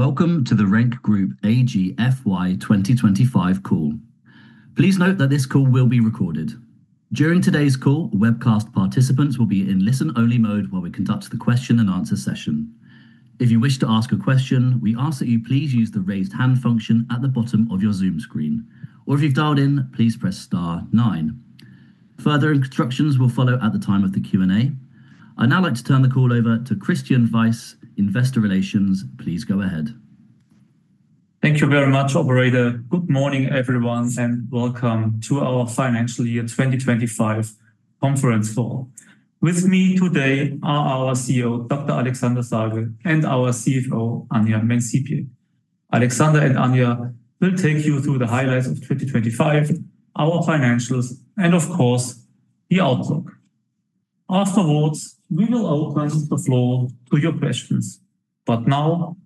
Welcome to the RENK Group AG FY 2025 call. Please note that this call will be recorded. During today's call, webcast participants will be in listen-only mode while we conduct the question and answer session. If you wish to ask a question, we ask that you please use the Raise Hand function at the bottom of your Zoom screen. If you've dialed in, please press star nine. Further instructions will follow at the time of the Q&A. I'd now like to turn the call over to Christian Weiss, Investor Relations. Please go ahead. Thank you very much, operator. Good morning, everyone, and welcome to our financial year 2025 conference call. With me today are our CEO, Dr. Alexander Sagel, and our CFO, Anja Mänz-Siebje. Alexander and Anja will take you through the highlights of 2025, our financials, and of course, the outlook. Afterwards, we will open the floor to your questions. Now,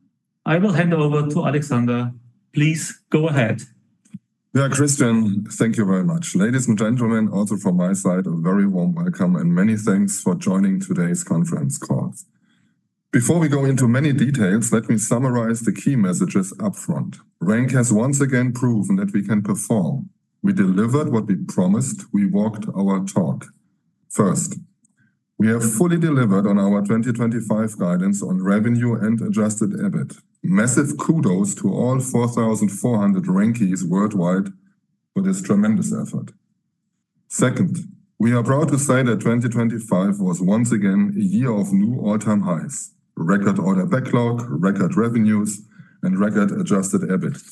I will hand over to Alexander. Please go ahead. Yeah, Christian, thank you very much. Ladies and gentlemen, also from my side, a very warm welcome and many thanks for joining today's conference call. Before we go into many details, let me summarize the key messages up front. RENK has once again proven that we can perform. We delivered what we promised. We walked our talk. First, we have fully delivered on our 2025 guidance on revenue and adjusted EBIT. Massive kudos to all 4,400 RENKies worldwide for this tremendous effort. Second, we are proud to say that 2025 was once again a year of new all-time highs, record order backlog, record revenues, and record adjusted EBIT.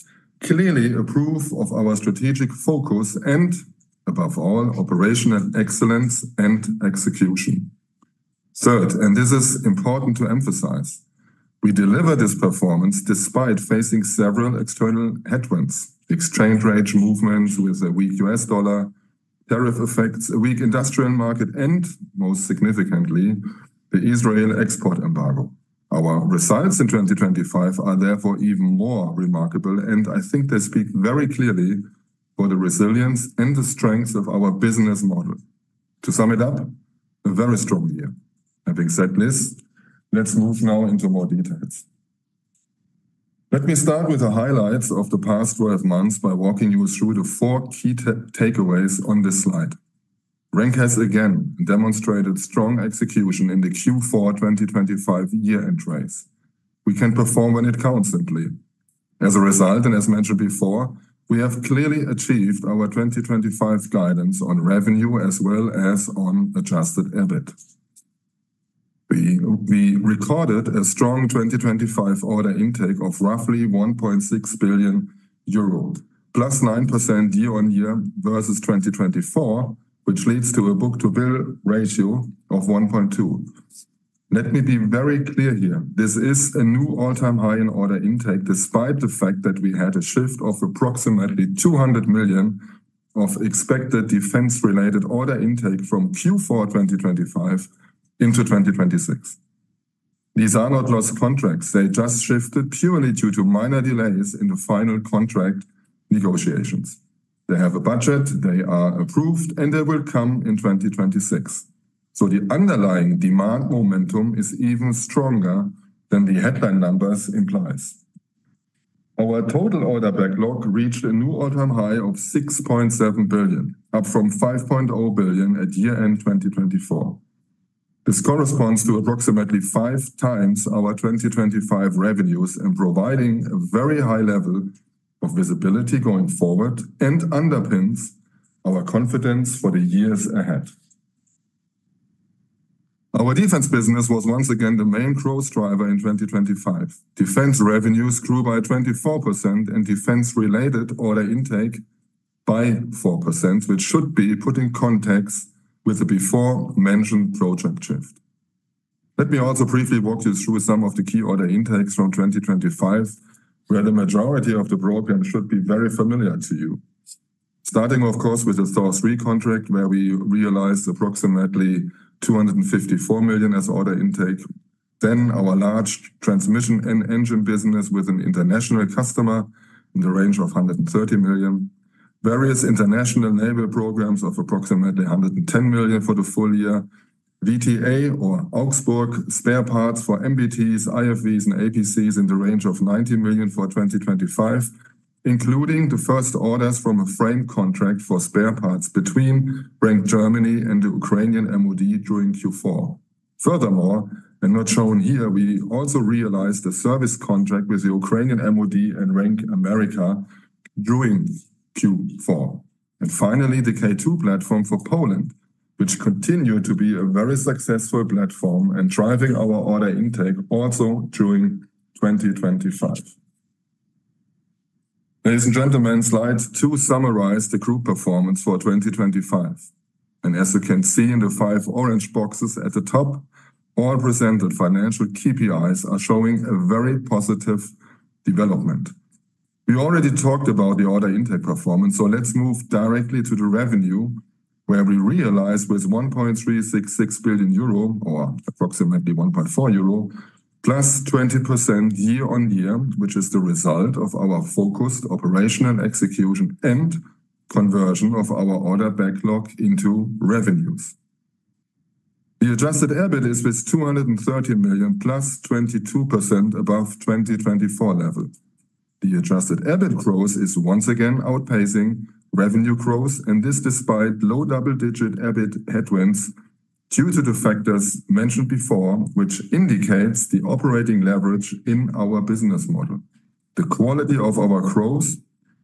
Clearly a proof of our strategic focus and above all, operational excellence and execution. Third, this is important to emphasize, we deliver this performance despite facing several external headwinds, exchange rate movements with a weak U.S. dollar, tariff effects, a weak industrial market, and most significantly, the Israeli export embargo. Our results in 2025 are therefore even more remarkable. I think they speak very clearly for the resilience and the strength of our business model. To sum it up, a very strong year. Having said this, let's move now into more details. Let me start with the highlights of the past 12 months by walking you through the four key takeaways on this slide. RENK has again demonstrated strong execution in the Q4 2025 year-end race. We can perform when it counts simply. As a result, as mentioned before, we have clearly achieved our 2025 guidance on revenue as well as on adjusted EBIT. We recorded a strong 2025 order intake of roughly 1.6 billion euros, +9% year-on-year versus 2024, which leads to a book-to-bill ratio of 1.2. Let me be very clear here. This is a new all-time high in order intake despite the fact that we had a shift of approximately 200 million of expected defense-related order intake from Q4 2025 into 2026. These are not lost contracts. They just shifted purely due to minor delays in the final contract negotiations. They have a budget, they are approved, and they will come in 2026. The underlying demand momentum is even stronger than the headline numbers implies. Our total order backlog reached a new all-time high of 6.7 billion, up from 5.0 billion at year-end 2024. This corresponds to approximately 5x our 2025 revenues and providing a very high level of visibility going forward and underpins our confidence for the years ahead. Our defense business was once again the main growth driver in 2025. Defense revenues grew by 24% and defense-related order intake by 4%, which should be put in context with the before-mentioned project shift. Let me also briefly walk you through some of the key order intakes from 2025, where the majority of the programs should be very familiar to you. Starting, of course, with the Thor 3 contract, where we realized approximately 254 million as order intake. Our large transmission and engine business with an international customer in the range of 130 million. Various international naval programs of approximately 110 million for the full year. VTA or Augsburg spare parts for MBTs, IFVs, and APCs in the range of 90 million for 2025, including the first orders from a frame contract for spare parts between RENK Germany and the Ukrainian MoD during Q4. Furthermore, and not shown here, we also realized a service contract with the Ukrainian MoD and RENK America during Q4. Finally, the K2 platform for Poland, which continued to be a very successful platform and driving our order intake also during 2025. Ladies and gentlemen, Slide 2 summarize the group performance for 2025. As you can see in the 5 orange boxes at the top, all presented financial KPIs are showing a very positive development. We already talked about the order intake performance. Let's move directly to the revenue, where we realized 1.366 billion euro or approximately 1.4 euro, +20% year-on-year, which is the result of our focused operational execution and conversion of our order backlog into revenues. The adjusted EBIT is with 230 million +22% above 2024 level. The adjusted EBIT growth is once again outpacing revenue growth, despite low double-digit EBIT headwinds due to the factors mentioned before, which indicates the operating leverage in our business model, the quality of our growth,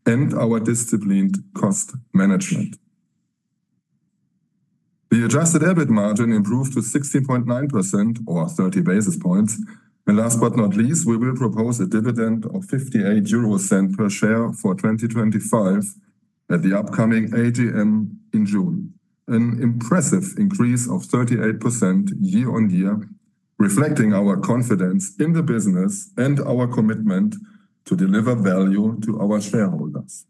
and our disciplined cost management. The adjusted EBIT margin improved to 60.9% or 30 basis points. Last but not least, we will propose a dividend of 0.58 per share for 2025 at the upcoming AGM in June. An impressive increase of 38% year-on-year, reflecting our confidence in the business and our commitment to deliver value to our shareholders.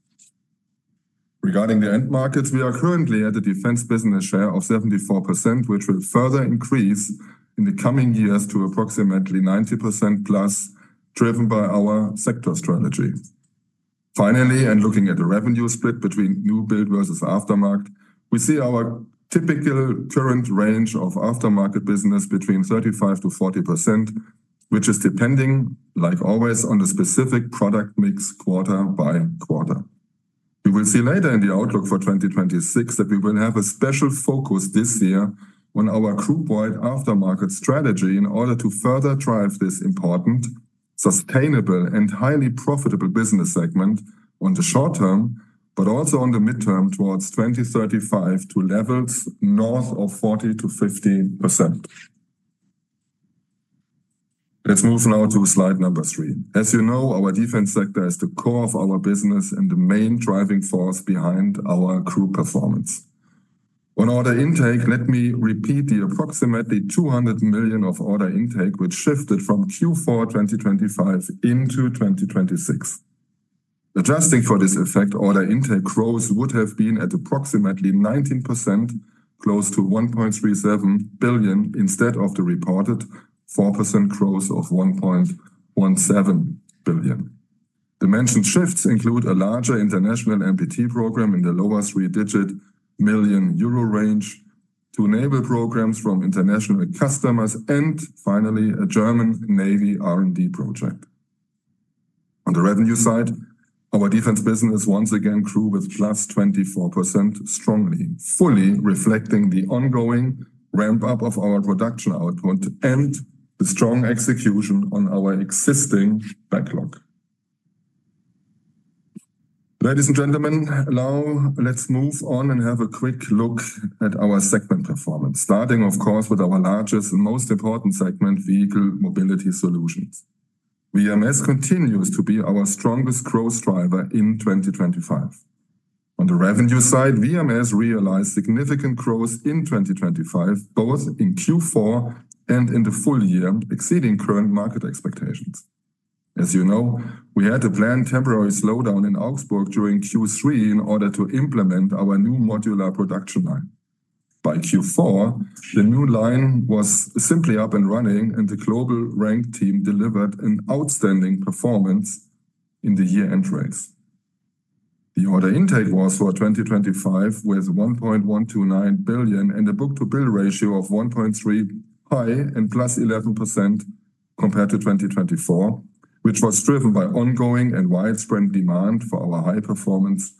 Regarding the end markets, we are currently at a defense business share of 74%, which will further increase in the coming years to approximately 90%+, driven by our sector strategy. Finally, looking at the revenue split between new build versus aftermarket, we see our typical current range of aftermarket business between 35%-40%, which is depending, like always, on the specific product mix quarter-by-quarter. You will see later in the outlook for 2026 that we will have a special focus this year on our group-wide aftermarket strategy in order to further drive this important, sustainable, and highly profitable business segment on the short term, but also on the mid-term towards 2035 to levels north of 40%-50%. Let's move now to slide number three. As you know, our defense sector is the core of our business and the main driving force behind our group performance. On order intake, let me repeat the approximately 200 million of order intake which shifted from Q4 2025 into 2026. Adjusting for this effect, order intake growth would have been at approximately 19%, close to 1.37 billion, instead of the reported 4% growth of 1.17 billion. The mentioned shifts include a larger international MPT program in the lower three-digit million EUR range to enable programs from international customers and finally, a German Navy R&D project. On the revenue side, our defense business once again grew with +24%, strongly, fully reflecting the ongoing ramp-up of our production output and the strong execution on our existing backlog. Ladies and gentlemen, now let's move on and have a quick look at our segment performance. Starting, of course, with our largest and most important segment, Vehicle Mobility Solutions. VMS continues to be our strongest growth driver in 2025. On the revenue side, VMS realized significant growth in 2025, both in Q4 and in the full year, exceeding current market expectations. As you know, we had to plan temporary slowdown in Augsburg during Q3 in order to implement our new modular production line. By Q4, the new line was simply up and running, and the global RENK team delivered an outstanding performance in the year-end race. The order intake was for 2025, with 1.129 billion and a book-to-bill ratio of 1.3 high and +11% compared to 2024, which was driven by ongoing and widespread demand for our high-performance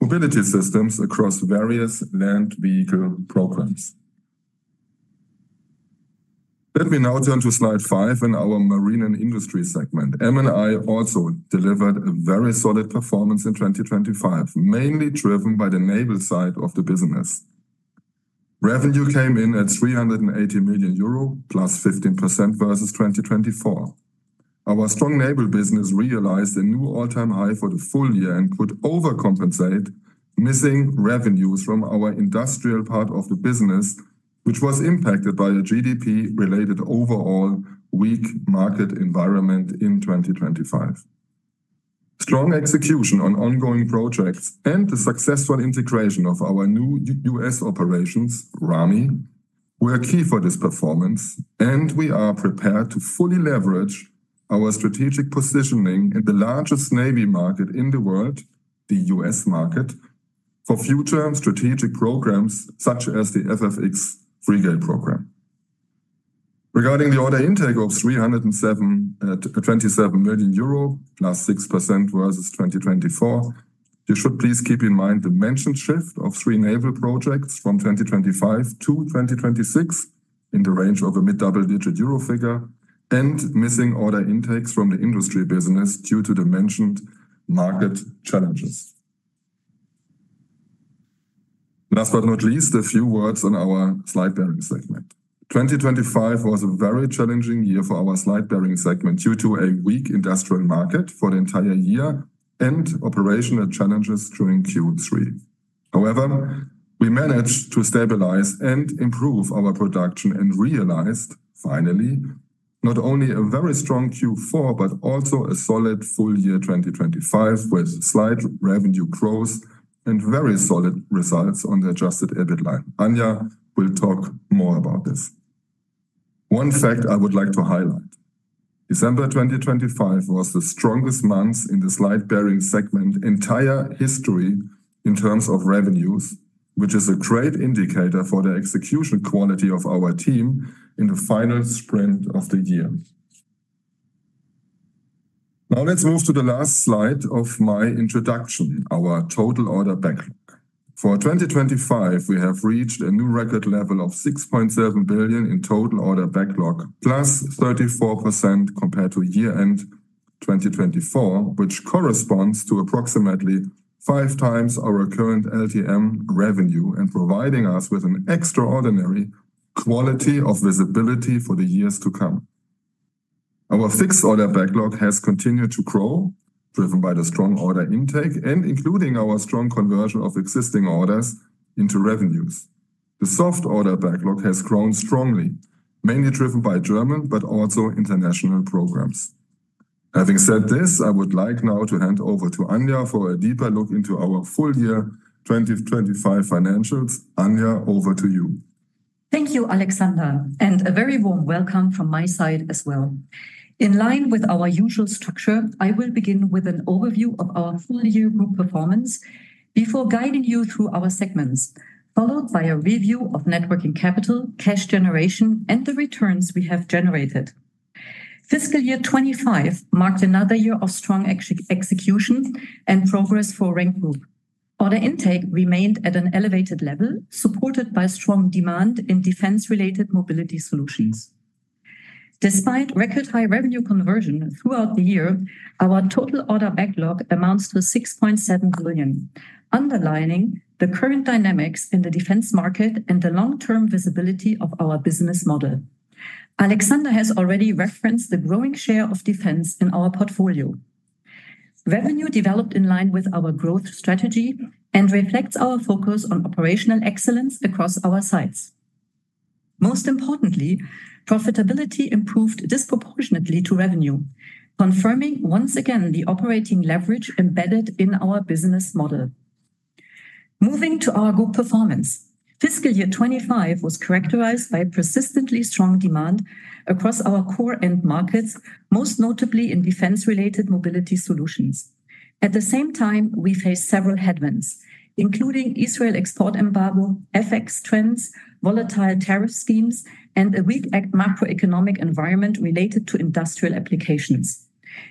mobility systems across various land vehicle programs. Let me now turn to slide five in our Marine & Industry segment. M&I also delivered a very solid performance in 2025, mainly driven by the naval side of the business. Revenue came in at 380 million euro, +15% versus 2024. Our strong naval business realized a new all-time high for the full year and could overcompensate missing revenues from our industrial part of the business, which was impacted by the GDP-related overall weak market environment in 2025. Strong execution on ongoing projects and the successful integration of our new U.S. operations, RAMI, were key for this performance, and we are prepared to fully leverage our strategic positioning in the largest Navy market in the world, the U.S. market, for future strategic programs such as the FFX Frigate program. Regarding the order intake of 307, 27 million, +6% versus 2024, you should please keep in mind the mentioned shift of 3 naval projects from 2025 to 2026 in the range of a mid-double-digit euro figure and missing order intakes from the industry business due to the mentioned market challenges. Last but not least, a few words on our Slide Bearing segment. 2025 was a very challenging year for our Slide Bearing segment due to a weak industrial market for the entire year and operational challenges during Q3. We managed to stabilize and improve our production and realized, finally, not only a very strong Q4, but also a solid full year 2025, with slight revenue growth and very solid results on the adjusted EBIT line. Anja will talk more about this. One fact I would like to highlight. December 2025 was the strongest month in the Slide Bearing segment entire history in terms of revenues, which is a great indicator for the execution quality of our team in the final sprint of the year. Let's move to the last slide of my introduction, our total order backlog. For 2025, we have reached a new record level of 6.7 billion in total order backlog, +34% compared to year-end 2024, which corresponds to approximately 5 times our current LTM revenue and providing us with an extraordinary quality of visibility for the years to come. Our fixed order backlog has continued to grow, driven by the strong order intake and including our strong conversion of existing orders into revenues. The soft order backlog has grown strongly, mainly driven by German, but also international programs. Having said this, I would like now to hand over to Anja for a deeper look into our full year 2025 financials. Anja, over to you. Thank you, Alexander, and a very warm welcome from my side as well. In line with our usual structure, I will begin with an overview of our full year group performance before guiding you through our segments, followed by a review of networking capital, cash generation, and the returns we have generated. Fiscal year 25 marked another year of strong execution and progress for RENK Group. Order intake remained at an elevated level, supported by strong demand in defense-related mobility solutions. Despite record high revenue conversion throughout the year, our total order backlog amounts to 6.7 billion, underlining the current dynamics in the defense market and the long-term visibility of our business model. Alexander has already referenced the growing share of defense in our portfolio. Revenue developed in line with our growth strategy and reflects our focus on operational excellence across our sites. Most importantly, profitability improved disproportionately to revenue, confirming once again the operating leverage embedded in our business model. Moving to our group performance. Fiscal year 2025 was characterized by persistently strong demand across our core end markets, most notably in defense-related mobility solutions. At the same time, we faced several headwinds, including Israel export embargo, FX trends, volatile tariff schemes, and a weak macroeconomic environment related to industrial applications.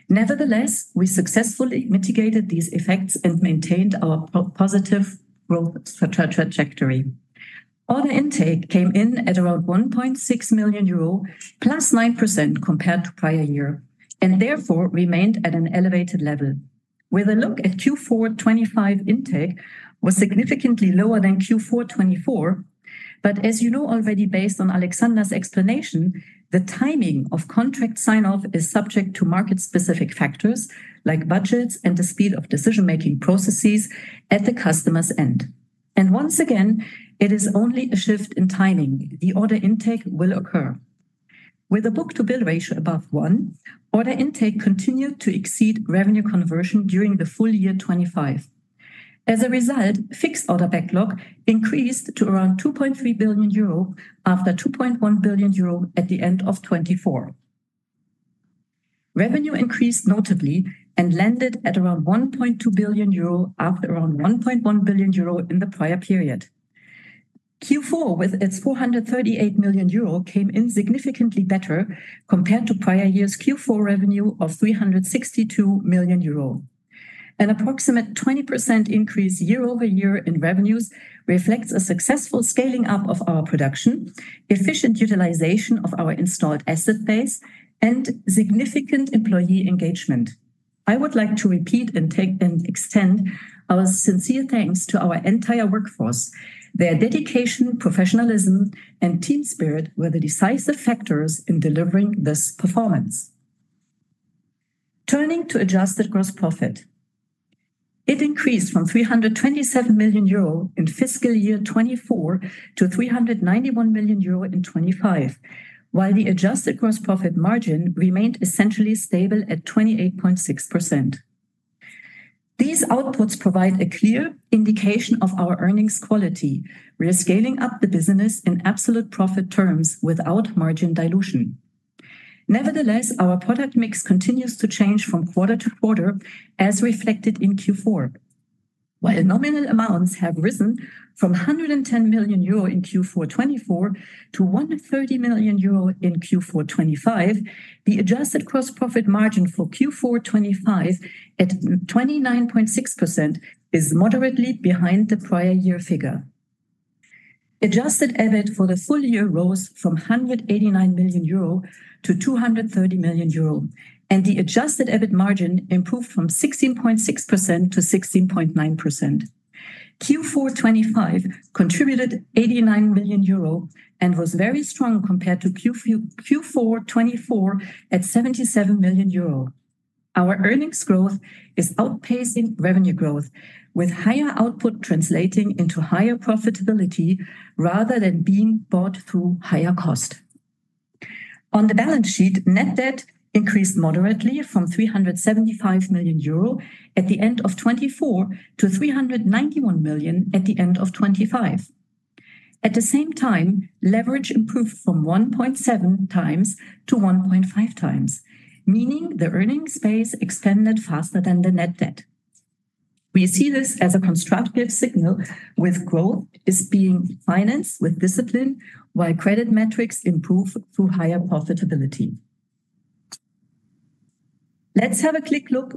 Nevertheless, we successfully mitigated these effects and maintained our positive growth trajectory. Order intake came in at around 1.6 million euro, +9% compared to prior year, and therefore remained at an elevated level. With a look at Q4 2025 intake was significantly lower than Q4 2024, but as you know already based on Alexander's explanation, the timing of contract sign-off is subject to market-specific factors like budgets and the speed of decision-making processes at the customer's end. Once again, it is only a shift in timing. The order intake will occur. With a book-to-bill ratio above one, order intake continued to exceed revenue conversion during the full year 2025. As a result, fixed order backlog increased to around 2.3 billion euro after 2.1 billion euro at the end of 2024. Revenue increased notably and landed at around 1.2 billion euro after around 1.1 billion euro in the prior period. Q4, with its 438 million euro, came in significantly better compared to prior year's Q4 revenue of 362 million euro. An approximate 20% increase year-over-year in revenues reflects a successful scaling up of our production, efficient utilization of our installed asset base, and significant employee engagement. I would like to repeat and take and extend our sincere thanks to our entire workforce. Their dedication, professionalism, and team spirit were the decisive factors in delivering this performance. Turning to adjusted gross profit. It increased from 327 million euro in fiscal year 2024 to 391 million euro in 2025, while the adjusted gross profit margin remained essentially stable at 28.6%. These outputs provide a clear indication of our earnings quality. We are scaling up the business in absolute profit terms without margin dilution. Our product mix continues to change from quarter to quarter, as reflected in Q4. While nominal amounts have risen from 110 million euro in Q4 2024 to 130 million euro in Q4 2025, the adjusted gross profit margin for Q4 2025 at 29.6% is moderately behind the prior year figure. Adjusted EBIT for the full year rose from 189 million-230 million euro. The adjusted EBIT margin improved from 16.6%-16.9%. Q4 2025 contributed 89 million euro and was very strong compared to Q4 2024 at 77 million euro. Our earnings growth is outpacing revenue growth, with higher output translating into higher profitability rather than being bought through higher cost. On the balance sheet, net debt increased moderately from 375 million euro at the end of 2024-EUR 391 million at the end of 2025. At the same time, leverage improved from 1.7 times-1.5 times, meaning the earnings base expanded faster than the net debt. We see this as a constructive signal with growth is being financed with discipline while credit metrics improve through higher profitability. Let's have a quick look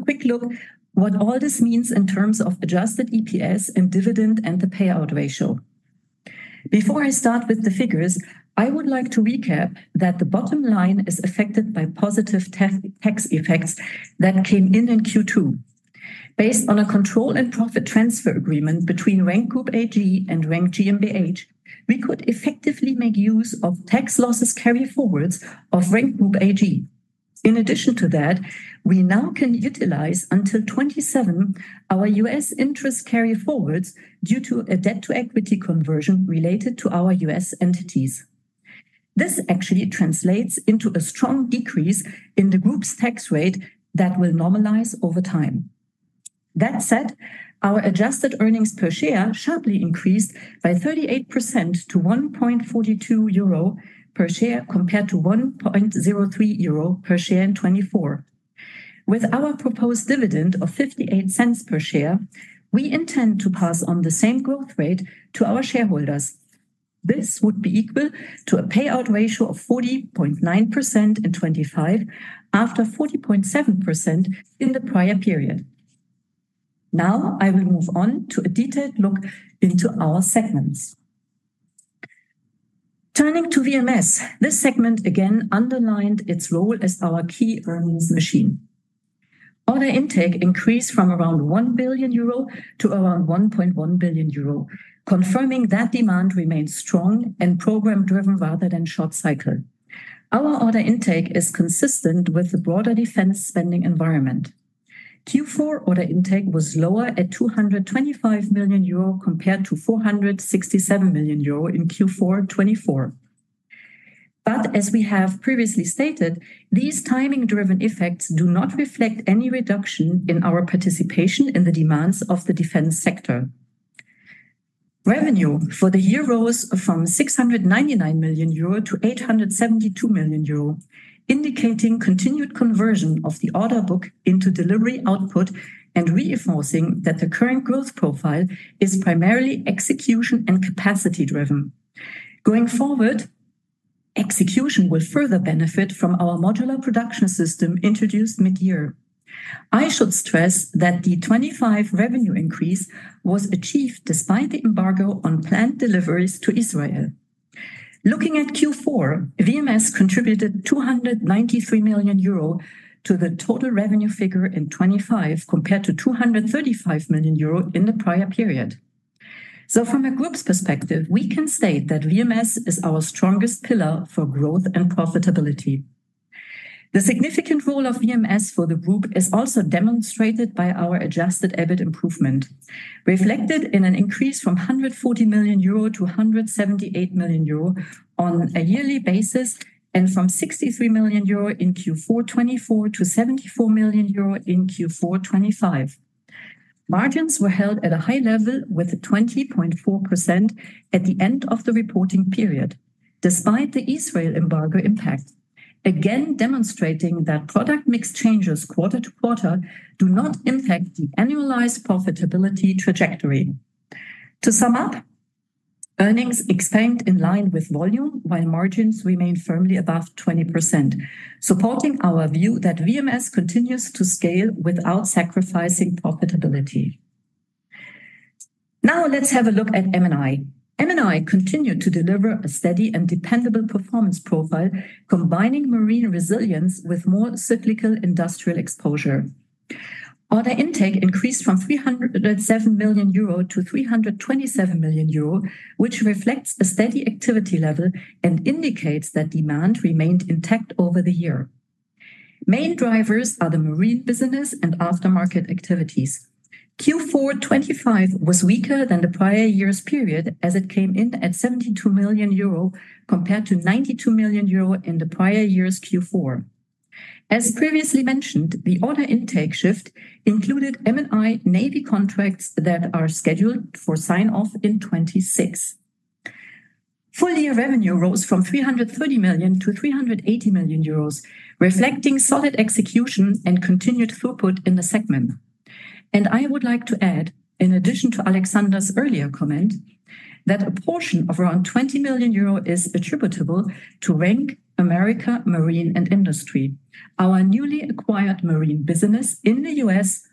what all this means in terms of adjusted EPS and dividend and the payout ratio. Before I start with the figures, I would like to recap that the bottom line is affected by positive tax effects that came in in Q2. Based on a control and profit transfer agreement between RENK Group AG and RENK GmbH, we could effectively make use of tax losses carryforwards of RENK Group AG. In addition to that, we now can utilize until 27 our U.S. interests carryforwards due to a debt-to-equity conversion related to our U.S. entities. This actually translates into a strong decrease in the group's tax rate that will normalize over time. That said, our adjusted earnings per share sharply increased by 38% to 1.42 euro per share, compared to 1.03 euro per share in 2024. With our proposed dividend of 0.58 per share, we intend to pass on the same growth rate to our shareholders. This would be equal to a payout ratio of 40.9% in 2025 after 40.7% in the prior period. I will move on to a detailed look into our segments. Turning to VMS, this segment again underlined its role as our key earnings machine. Order intake increased from around 1 billion euro to around 1.1 billion euro, confirming that demand remains strong and program-driven rather than short cycle. Our order intake is consistent with the broader defense spending environment. Q4 order intake was lower at 225 million euro compared to 467 million euro in Q4 2024. As we have previously stated, these timing-driven effects do not reflect any reduction in our participation in the demands of the defense sector. Revenue for the year rose from 699 million-872 million euro, indicating continued conversion of the order book into delivery output and reinforcing that the current growth profile is primarily execution and capacity driven. Going forward, execution will further benefit from our modular production system introduced midyear. I should stress that the 2025 revenue increase was achieved despite the embargo on plant deliveries to Israel. Looking at Q4, VMS contributed 293 million euro to the total revenue figure in 2025, compared to 235 million euro in the prior period. From a Group's perspective, we can state that VMS is our strongest pillar for growth and profitability. The significant role of VMS for the Group is also demonstrated by our adjusted EBIT improvement, reflected in an increase from 140 million-178 million euro on a yearly basis, and from 63 million euro in Q4 2024-EUR 74 million in Q4 2025. Margins were held at a high level with 20.4% at the end of the reporting period, despite the Israel embargo impact, again demonstrating that product mix changes quarter-to-quarter do not impact the annualized profitability trajectory. To sum up, earnings expand in line with volume while margins remain firmly above 20%, supporting our view that VMS continues to scale without sacrificing profitability. Let's have a look at M&I. M&I continued to deliver a steady and dependable performance profile, combining marine resilience with more cyclical industrial exposure. Order intake increased from 307 million-327 million euro, which reflects a steady activity level and indicates that demand remained intact over the year. Main drivers are the marine business and aftermarket activities. Q4 2025 was weaker than the prior year's period, as it came in at 72 million euro, compared to 92 million euro in the prior year's Q4. As previously mentioned, the order intake shift included M&I navy contracts that are scheduled for sign-off in 2026. Full-year revenue rose from 330 million-380 million euros, reflecting solid execution and continued throughput in the segment. I would like to add, in addition to Alexander's earlier comment, that a portion of around 20 million euro is attributable to RENK America Marine & Industry, our newly acquired marine business in the U.S.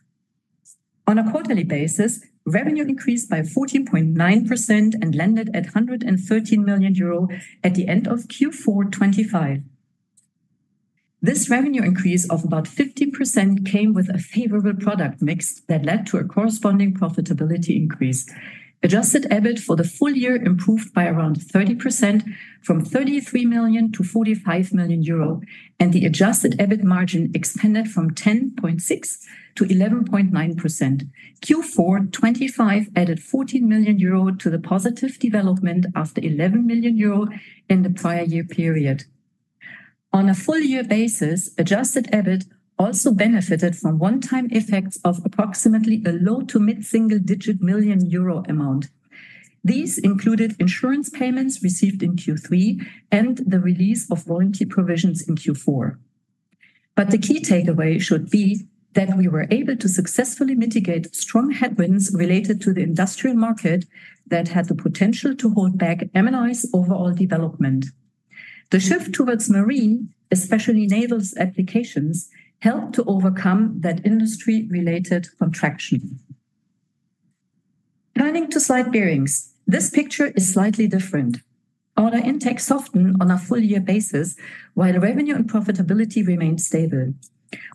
On a quarterly basis, revenue increased by 14.9% and landed at 113 million euro at the end of Q4 2025. This revenue increase of about 50% came with a favorable product mix that led to a corresponding profitability increase. Adjusted EBIT for the full year improved by around 30% from 33 million-45 million euro. The adjusted EBIT margin expanded from 10.6%-11.9%. Q4 2025 added 14 million euro to the positive development after 11 million euro in the prior year period. On a full year basis, adjusted EBIT also benefited from one-time effects of approximately a low to mid-single-digit million EUR amount. These included insurance payments received in Q3 and the release of warranty provisions in Q4. The key takeaway should be that we were able to successfully mitigate strong headwinds related to the industrial market that had the potential to hold back MNI's overall development. The shift towards marine, especially naval applications, helped to overcome that industry-related contraction. Turning to Slide Bearings, this picture is slightly different. Order intake softened on a full year basis, while revenue and profitability remained stable.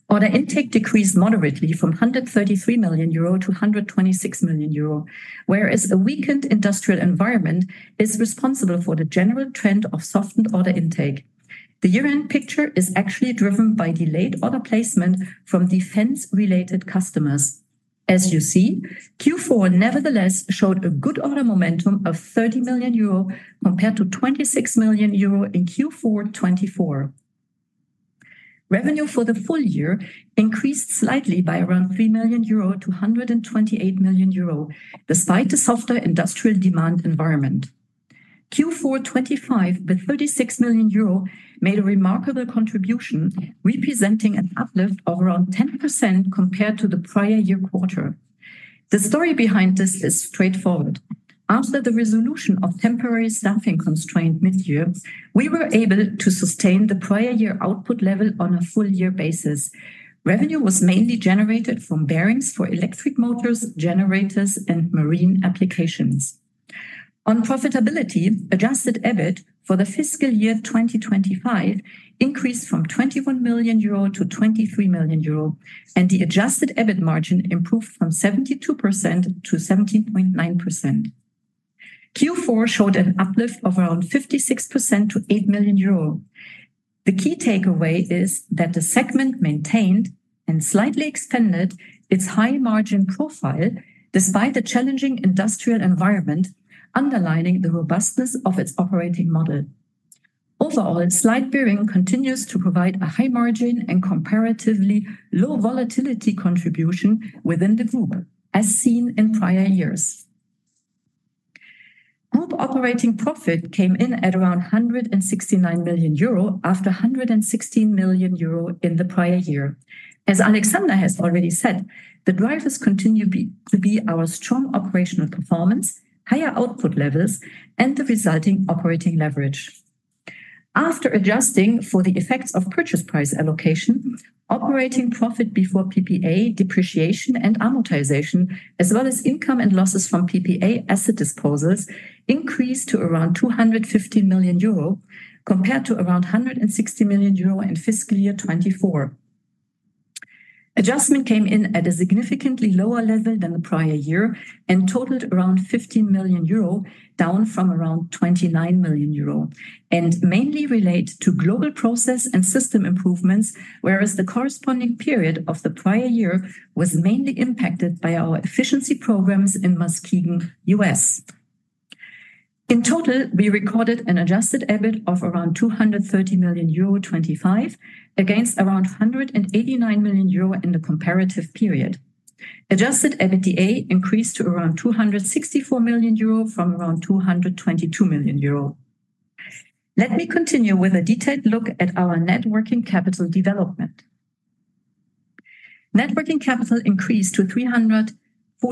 Order intake decreased moderately from 133 million-126 million euro, whereas a weakened industrial environment is responsible for the general trend of softened order intake. The year-end picture is actually driven by delayed order placement from defense-related customers. As you see, Q4 nevertheless showed a good order momentum of 30 million euro compared to 26 million euro in Q4 2024. Revenue for the full year increased slightly by around 3 million-128 million euro, despite the softer industrial demand environment. Q4 2025, with 36 million euro, made a remarkable contribution, representing an uplift of around 10% compared to the prior year quarter. The story behind this is straightforward. After the resolution of temporary staffing constraint midyear, we were able to sustain the prior year output level on a full year basis. Revenue was mainly generated from bearings for electric motors, generators, and marine applications. On profitability, adjusted EBIT for the fiscal year 2025 increased from 21 million-23 million euro, and the adjusted EBIT margin improved from 72%-17.9%. Q4 showed an uplift of around 56% to 8 million euro. The key takeaway is that the segment maintained and slightly expanded its high margin profile despite the challenging industrial environment, underlining the robustness of its operating model. Overall, in Slide Bearings continues to provide a high margin and comparatively low volatility contribution within the group, as seen in prior years. Group operating profit came in at around 169 million euro after 116 million euro in the prior year. As Alexander has already said, the drivers continue to be our strong operational performance, higher output levels, and the resulting operating leverage. After adjusting for the effects of purchase price allocation, operating profit before PPA depreciation and amortization, as well as income and losses from PPA asset disposals increased to around 250 million euro, compared to around 160 million euro in fiscal year 2024. Adjustment came in at a significantly lower level than the prior year and totaled around 15 million euro, down from around 29 million euro, and mainly relate to global process and system improvements, whereas the corresponding period of the prior year was mainly impacted by our efficiency programs in Muskegon, U.S. In total, we recorded an adjusted EBIT of around 230 million euro 2025 against around 189 million euro in the comparative period. Adjusted EBITDA increased to around 264 million euro from around 222 million euro. Let me continue with a detailed look at our net working capital development. Net working capital increased to 345 million euro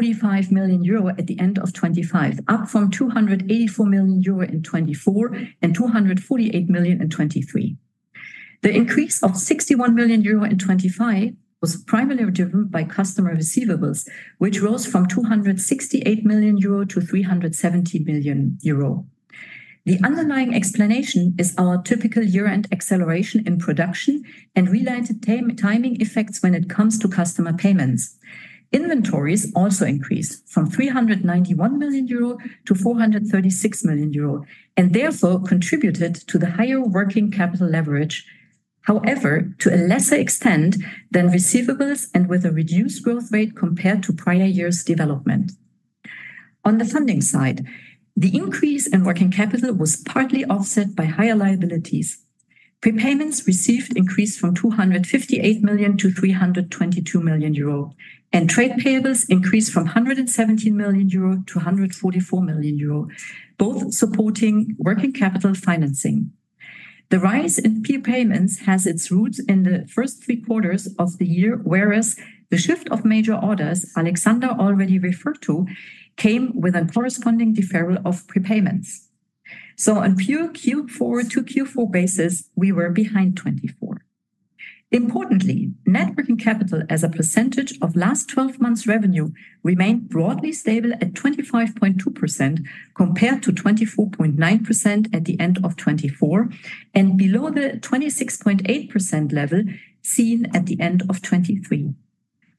at the end of 2025, up from 284 million euro in 2024 and 248 million in 2023. The increase of 61 million euro in 2025 was primarily driven by customer receivables, which rose from 268 million-370 million euro. The underlying explanation is our typical year-end acceleration in production and related timing effects when it comes to customer payments. Inventories also increased from 391 million-436 million euro and therefore contributed to the higher working capital leverage, however, to a lesser extent than receivables and with a reduced growth rate compared to prior years' development. On the funding side, the increase in working capital was partly offset by higher liabilities. Prepayments received increased from 258 million-322 million euro, and trade payables increased from 117 million-144 million euro, both supporting working capital financing. The rise in prepayments has its roots in the first three quarters of the year, whereas the shift of major orders Alexander already referred to came with a corresponding deferral of prepayments. On pure Q4-to-Q4 basis, we were behind 2024. Importantly, net working capital as a percentage of LTM revenue remained broadly stable at 25.2% compared to 24.9% at the end of 2024 and below the 26.8% level seen at the end of 2023.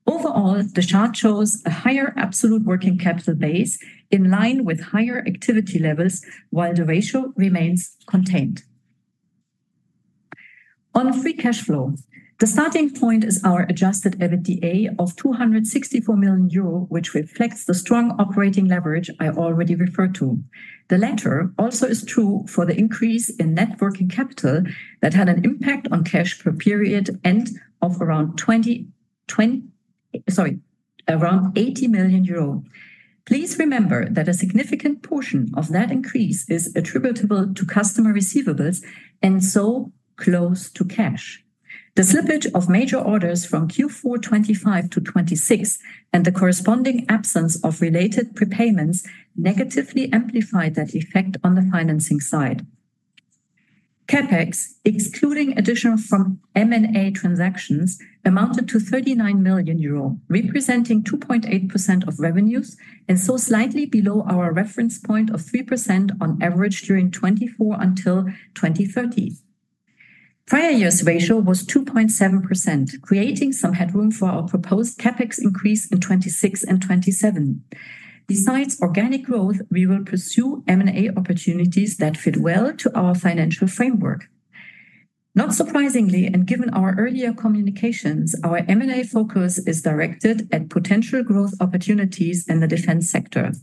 The chart shows a higher absolute working capital base in line with higher activity levels, while the ratio remains contained. On free cash flow, the starting point is our adjusted EBITDA of 264 million euro, which reflects the strong operating leverage I already referred to. The latter also is true for the increase in net working capital that had an impact on cash per period end of around 80 million euro. Please remember that a significant portion of that increase is attributable to customer receivables and so close to cash. The slippage of major orders from Q4 2025-2026, and the corresponding absence of related prepayments negatively amplified that effect on the financing side. CapEx, excluding additional from M&A transactions, amounted to 39 million euro, representing 2.8% of revenues, slightly below our reference point of 3% on average during 2024 until 2030. Prior year's ratio was 2.7%, creating some headroom for our proposed CapEx increase in 2026 and 2027. Besides organic growth, we will pursue M&A opportunities that fit well to our financial framework. Not surprisingly, given our earlier communications, our M&A focus is directed at potential growth opportunities in the defense sector.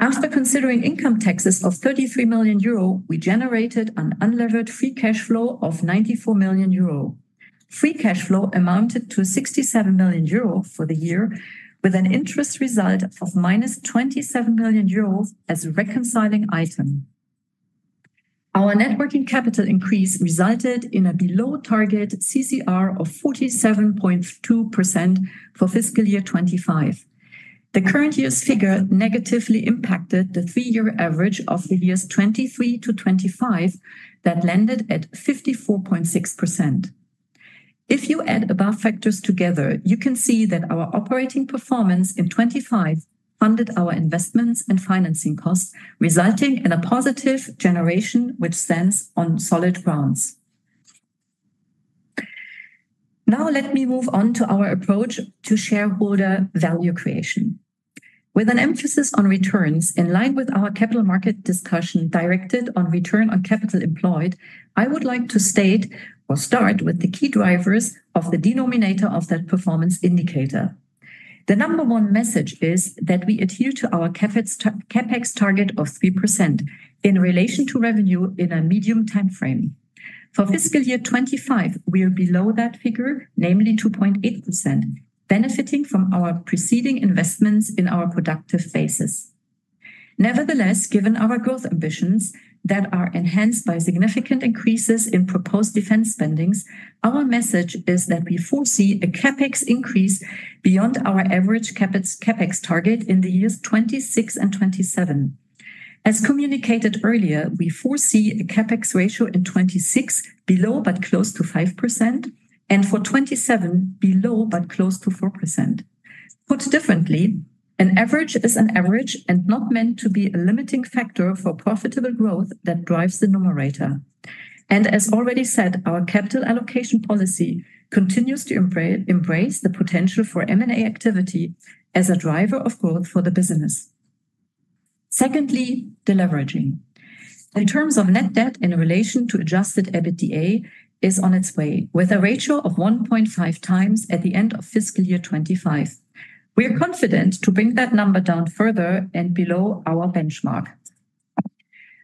After considering income taxes of 33 million euro, we generated an unlevered free cash flow of 94 million euro. Free cash flow amounted to 67 million euro for the year, with an interest result of -27 million euros as a reconciling item. Our net working capital increase resulted in a below-target CCR of 47.2% for fiscal year 2025. The current year's figure negatively impacted the three-year average of the years 2023-2025 that landed at 54.6%. If you add above factors together, you can see that our operating performance in 2025 funded our investments and financing costs, resulting in a positive generation which stands on solid grounds. Now let me move on to our approach to shareholder value creation. With an emphasis on returns in line with our capital market discussion directed on return on capital employed, I would like to start with the key drivers of the denominator of that performance indicator. The number one message is that we adhere to our CapEx target of 3% in relation to revenue in a medium timeframe. For fiscal year 2025, we are below that figure, namely 2.8%, benefiting from our preceding investments in our productive phases. Given our growth ambitions that are enhanced by significant increases in proposed defense spendings, our message is that we foresee a CapEx increase beyond our average CapEx target in the years 2026 and 2027. As communicated earlier, we foresee a CapEx ratio in 2026 below but close to 5%, and for 2027 below but close to 4%. Put differently, an average is an average and not meant to be a limiting factor for profitable growth that drives the numerator. As already said, our capital allocation policy continues to embrace the potential for M&A activity as a driver of growth for the business. Secondly, deleveraging. In terms of net debt in relation to adjusted EBITDA is on its way, with a ratio of 1.5 times at the end of fiscal year 2025. We are confident to bring that number down further and below our benchmark.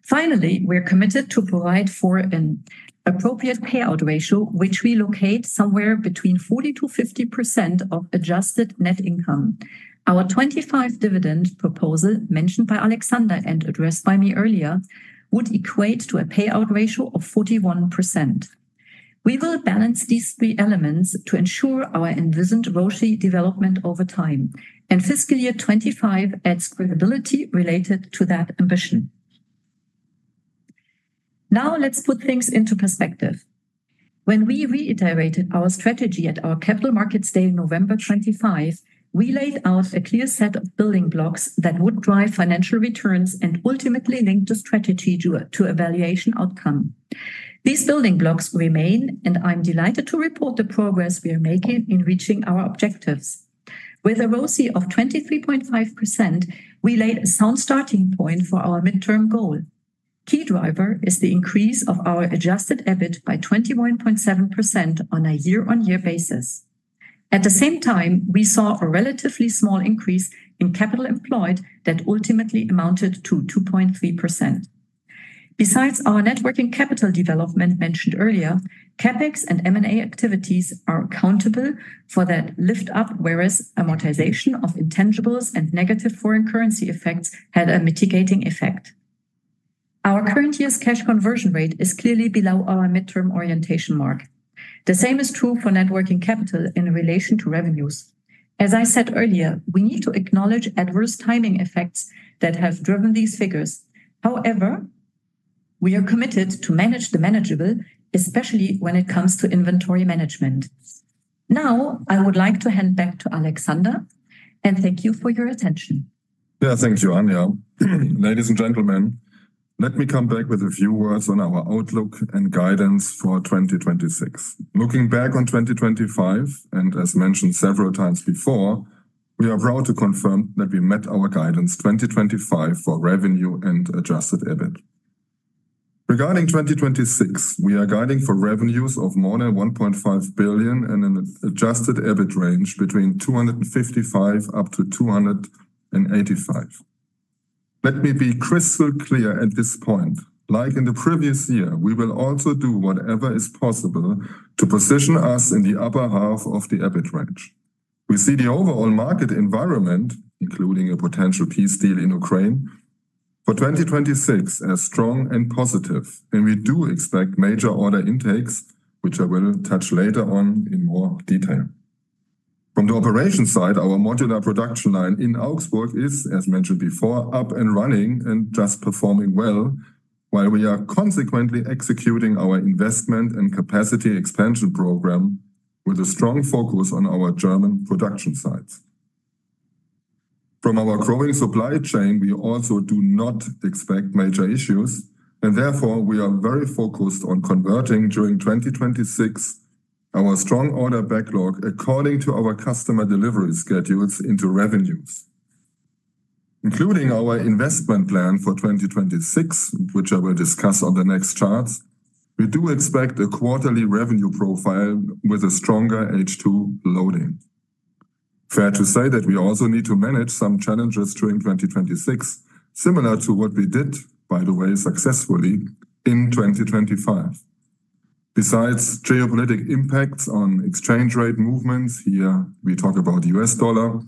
Finally, we are committed to provide for an appropriate payout ratio, which we locate somewhere between 40%-50% of adjusted net income. Our 2025 dividend proposal mentioned by Alexander and addressed by me earlier, would equate to a payout ratio of 41%. We will balance these three elements to ensure our envisioned ROCE development over time, and fiscal year 2025 adds credibility related to that ambition. Now let's put things into perspective. When we reiterated our strategy at our Capital Markets Day in November 2025, we laid out a clear set of building blocks that would drive financial returns and ultimately link the strategy to a valuation outcome. These building blocks remain, and I'm delighted to report the progress we are making in reaching our objectives. With a ROCE of 23.5%, we laid a sound starting point for our midterm goal. Key driver is the increase of our adjusted EBIT by 21.7% on a year-on-year basis. At the same time, we saw a relatively small increase in capital employed that ultimately amounted to 2.3%. Besides our net working capital development mentioned earlier, CapEx and M&A activities are accountable for that lift-up, whereas amortization of intangibles and negative foreign currency effects had a mitigating effect. Our current year's cash conversion rate is clearly below our midterm orientation mark. The same is true for net working capital in relation to revenues. As I said earlier, we need to acknowledge adverse timing effects that have driven these figures. However, we are committed to manage the manageable, especially when it comes to inventory management. Now, I would like to hand back to Alexander, and thank you for your attention. Thank you, Anja. Ladies and gentlemen, let me come back with a few words on our outlook and guidance for 2026. Looking back on 2025, and as mentioned several times before, we are proud to confirm that we met our guidance 2025 for revenue and adjusted EBIT. Regarding 2026, we are guiding for revenues of more than 1.5 billion and an adjusted EBIT range between 255 million up to 285 million. Let me be crystal clear at this point. Like in the previous year, we will also do whatever is possible to position us in the upper half of the EBIT range. We see the overall market environment, including a potential peace deal in Ukraine, for 2026 as strong and positive, and we do expect major order intakes, which I will touch later on in more detail. From the operations side, our modular production line in Augsburg is, as mentioned before, up and running and just performing well, while we are consequently executing our investment and capacity expansion program with a strong focus on our German production sites. From our growing supply chain, we also do not expect major issues, and therefore we are very focused on converting, during 2026, our strong order backlog according to our customer delivery schedules into revenues. Including our investment plan for 2026, which I will discuss on the next charts, we do expect a quarterly revenue profile with a stronger H2 loading. Fair to say that we also need to manage some challenges during 2026, similar to what we did, by the way, successfully in 2025. Besides geopolitical impacts on exchange rate movements, here we talk about U.S. dollar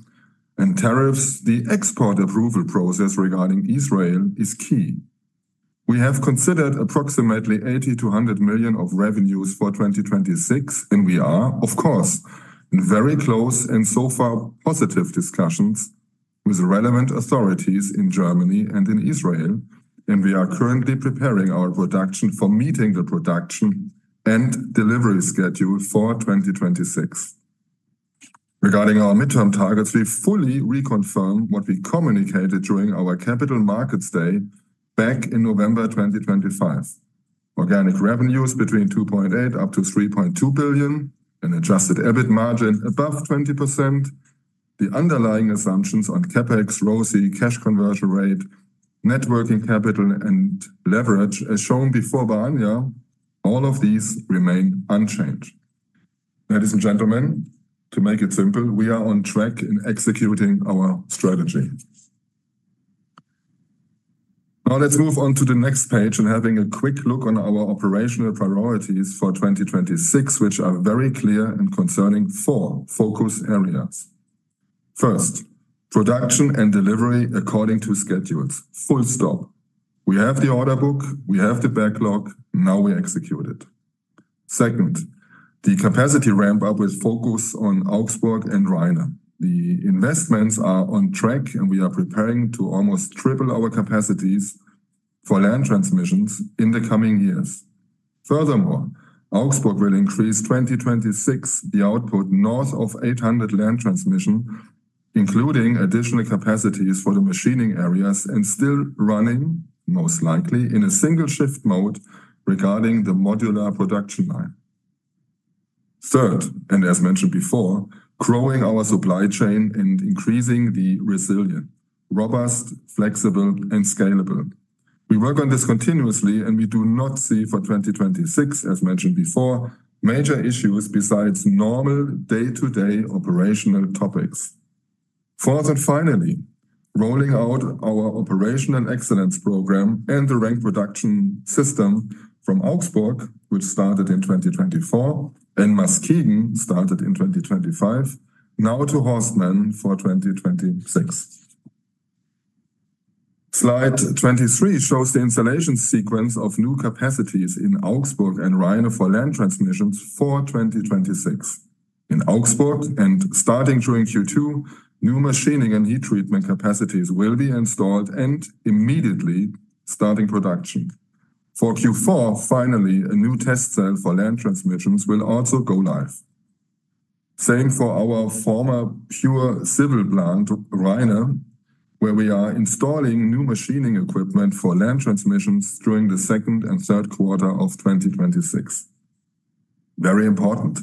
and tariffs, the export approval process regarding Israel is key. We have considered approximately 80 million-100 million of revenues for 2026. We are, of course, in very close and so far positive discussions with relevant authorities in Germany and in Israel. We are currently preparing our production for meeting the production and delivery schedule for 2026. Regarding our midterm targets, we fully reconfirm what we communicated during our Capital Markets Day back in November 2025. Organic revenues between 2.8 billion-3.2 billion, an adjusted EBIT margin above 20%. The underlying assumptions on CapEx, ROCE, cash conversion rate, net working capital, and leverage, as shown before by Anja, all of these remain unchanged. Ladies and gentlemen, to make it simple, we are on track in executing our strategy. Let's move on to the next page and having a quick look on our operational priorities for 2026, which are very clear and concerning four focus areas. First, production and delivery according to schedules, full stop. We have the order book. We have the backlog. We execute it. Second, the capacity ramp up with focus on Augsburg and Rheine. The investments are on track, and we are preparing to almost triple our capacities for land transmissions in the coming years. Augsburg will increase 2026 the output north of 800 land transmission, including additional capacities for the machining areas and still running, most likely, in a single shift mode regarding the modular production line. Third, as mentioned before, growing our supply chain and increasing the resilience. Robust, flexible, and scalable. We work on this continuously, and we do not see for 2026, as mentioned before, major issues besides normal day-to-day operational topics. Fourth and finally, rolling out our operational excellence program and the RENK Production System from Augsburg, which started in 2024 and Muskegon started in 2025. Now to Horstman for 2026. Slide 23 shows the installation sequence of new capacities in Augsburg and Rheine for land transmissions for 2026. In Augsburg, and starting during Q2, new machining and heat treatment capacities will be installed and immediately starting production. For Q4, finally, a new test cell for land transmissions will also go live. Same for our former pure civil plant, Rheine, where we are installing new machining equipment for land transmissions during the second and third quarter of 2026. Very important,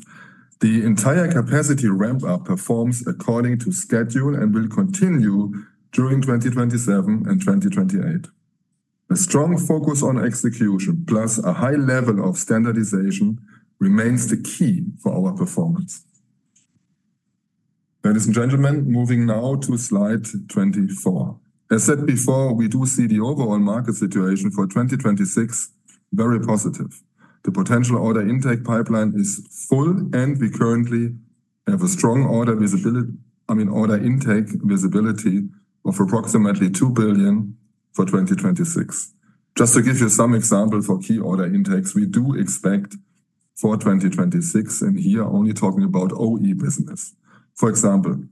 the entire capacity ramp-up performs according to schedule and will continue during 2027 and 2028. A strong focus on execution plus a high level of standardization remains the key for our performance. Ladies and gentlemen, moving now to Slide 24. As said before, we do see the overall market situation for 2026 very positive. The potential order intake pipeline is full, and we currently have a strong I mean, order intake visibility of approximately 2 billion for 2026. Just to give you some example for key order intakes we do expect for 2026, and here only talking about OE business. For example,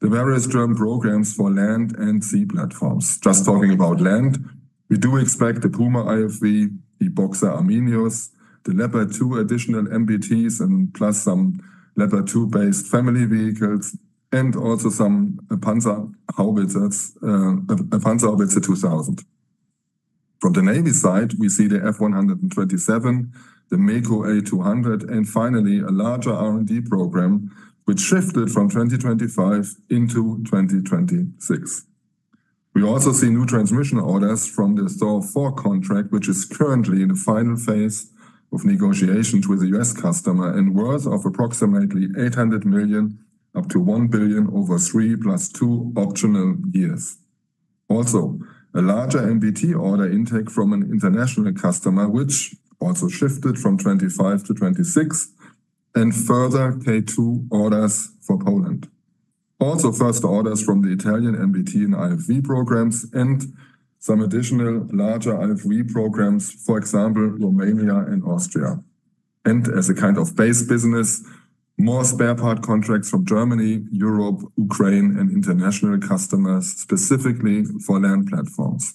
the various current programs for land and sea platforms. Just talking about land. We do expect the Puma IFV, the Boxer Arminius, the Leopard 2 additional MBTs and plus some Leopard 2-based family vehicles, and also some Panzerhaubitzers, Panzerhaubitze 2000. From the Navy side, we see the F127, the MEKO A-200, and finally a larger R&D program which shifted from 2025 into 2026. We also see new transmission orders from the Storm four contract, which is currently in the final phase of negotiations with the U.S. customer and worth of approximately $800 million up to $1 billion over 3+ 2 optional years. A larger MBT order intake from an international customer, which also shifted from 25-26 and further K2 orders for Poland. First orders from the Italian MBT and IFV programs and some additional larger IFV programs, for example, Romania and Austria. As a kind of base business, more spare part contracts from Germany, Europe, Ukraine, and international customers specifically for land platforms.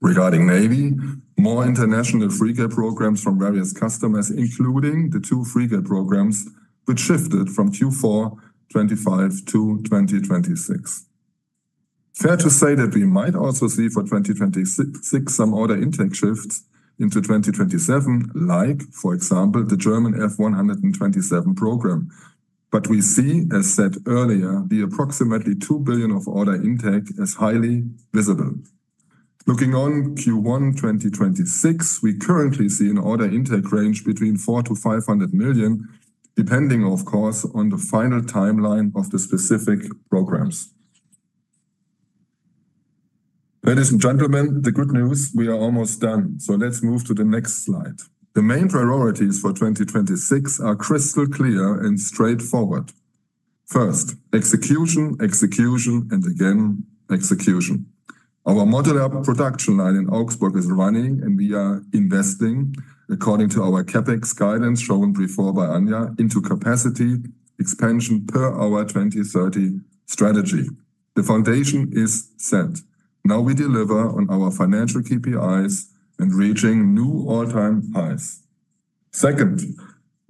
Regarding Navy, more international frigate programs from various customers, including the two frigate programs which shifted from Q4 2025-2026. Fair to say that we might also see for 2026 some order intake shifts into 2027, like for example, the German F127 program. We see, as said earlier, the approximately 2 billion of order intake is highly visible. Looking on Q1 2026, we currently see an order intake range between 400 million-500 million, depending of course on the final timeline of the specific programs. Ladies and gentlemen, the good news, we are almost done. Let's move to the next slide. The main priorities for 2026 are crystal clear and straightforward. First, execution, and again, execution. Our modular production line in Augsburg is running, we are investing according to our CapEx guidance shown before by Anja into capacity expansion per our 2030 strategy. The foundation is set. Now we deliver on our financial KPIs and reaching new all-time highs.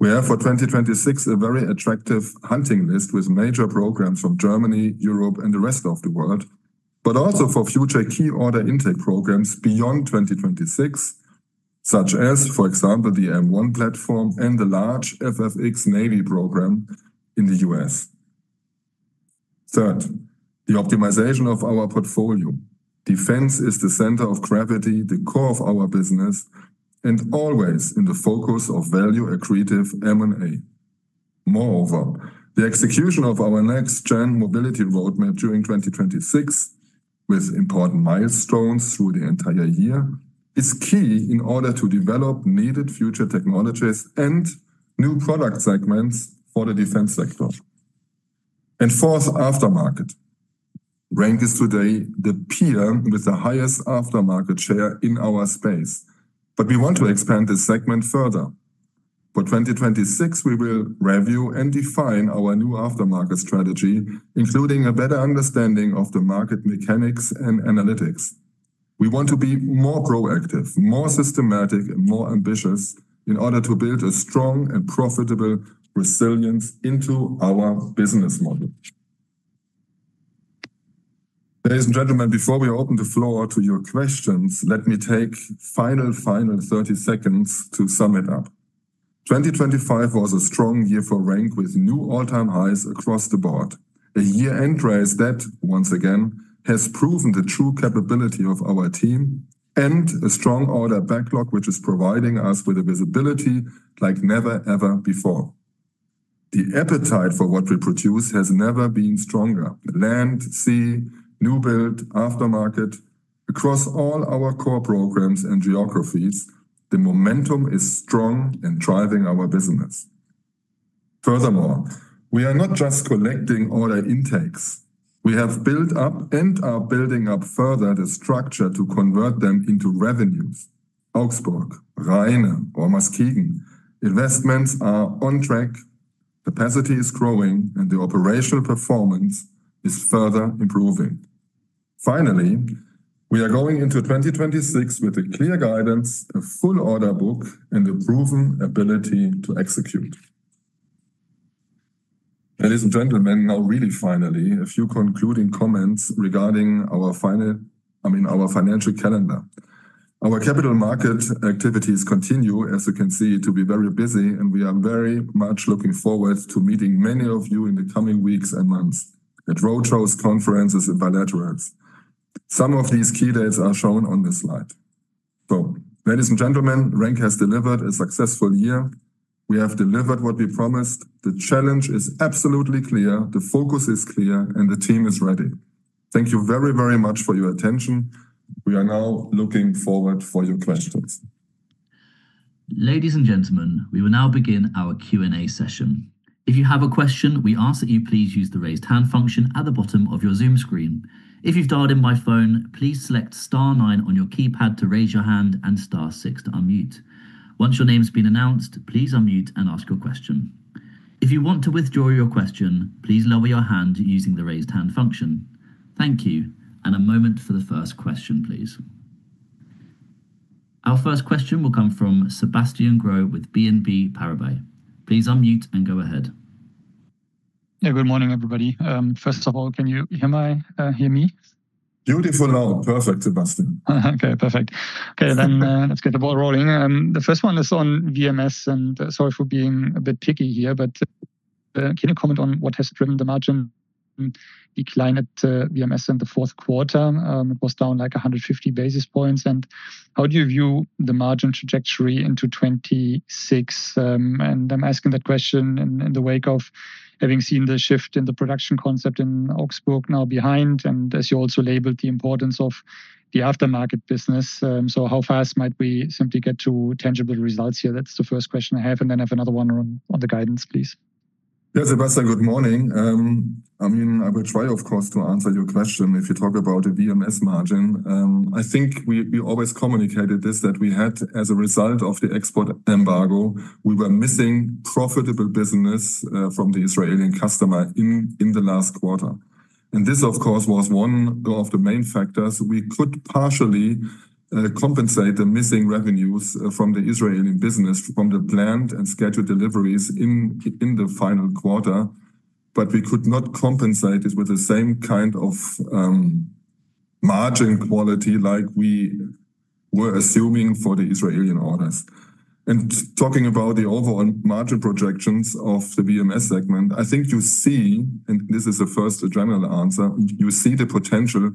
We have for 2026 a very attractive hunting list with major programs from Germany, Europe, and the rest of the world, but also for future key order intake programs beyond 2026, such as, for example, the M1 platform and the large FFX Navy program in the U.S. The optimization of our portfolio. Defense is the center of gravity, the core of our business, and always in the focus of value-accretive M&A. Moreover, the execution of our NextGen Mobility roadmap during 2026 with important milestones through the entire year is key in order to develop needed future technologies and new product segments for the defense sector. Fourth, aftermarket. RENK is today the peer with the highest aftermarket share in our space. We want to expand this segment further. For 2026, we will review and define our new aftermarket strategy, including a better understanding of the market mechanics and analytics. We want to be more proactive, more systematic, and more ambitious in order to build a strong and profitable resilience into our business model. Ladies and gentlemen, before we open the floor to your questions, let me take final 30 seconds to sum it up. 2025 was a strong year for RENK with new all-time highs across the board. A year-end rise that, once again, has proven the true capability of our team and a strong order backlog, which is providing us with a visibility like never, ever before. The appetite for what we produce has never been stronger. Land, sea, new build, aftermarket, across all our core programs and geographies, the momentum is strong and driving our business. We are not just collecting order intakes. We have built up and are building up further the structure to convert them into revenues. Augsburg, Rheine, or Muskegon, investments are on track, capacity is growing, and the operational performance is further improving. We are going into 2026 with a clear guidance, a full order book, and a proven ability to execute. Ladies and gentlemen, now really finally, a few concluding comments regarding our final, I mean our financial calendar. Our capital market activities continue, as you can see, to be very busy, and we are very much looking forward to meeting many of you in the coming weeks and months at road shows, conferences, and bilaterals. Some of these key dates are shown on this slide. Ladies and gentlemen, RENK has delivered a successful year. We have delivered what we promised. The challenge is absolutely clear, the focus is clear, and the team is ready. Thank you very, very much for your attention. We are now looking forward for your questions. Ladies and gentlemen, we will now begin our Q&A session. If you have a question, we ask that you please use the raised hand function at the bottom of your Zoom screen. If you've dialed in by phone, please select star nine on your keypad to raise your hand and star six to unmute. Once your name's been announced, please unmute and ask your question. If you want to withdraw your question, please lower your hand using the raised hand function. Thank you. A moment for the first question, please. Our first question will come from Sebastian Growe with BNP Paribas. Please unmute and go ahead. Yeah. Good morning, everybody. First of all, can you hear me? Beautiful, loud. Perfect, Sebastian. Perfect. Let's get the ball rolling. The first one is on VMS, and sorry for being a bit picky here, but can you comment on what has driven the margin decline at VMS in the fourth quarter? It was down, like, 150 basis points. How do you view the margin trajectory into 2026? I'm asking that question in the wake of having seen the shift in the production concept in Augsburg now behind and as you also labeled the importance of the aftermarket business. How fast might we simply get to tangible results here? That's the first question I have. I have another one on the guidance please. Yeah, Sebastian. Good morning. I mean, I will try of course to answer your question. If you talk about a VMS margin, I think we always communicated this, that we had as a result of the export embargo, we were missing profitable business from the Israeli customer in the last quarter. This, of course, was one of the main factors we could partially compensate the missing revenues from the Israeli business from the planned and scheduled deliveries in the final quarter. We could not compensate it with the same kind of margin quality like we were assuming for the Israeli orders. Talking about the overall margin projections of the VMS segment, I think you see, and this is the first general answer, you see the potential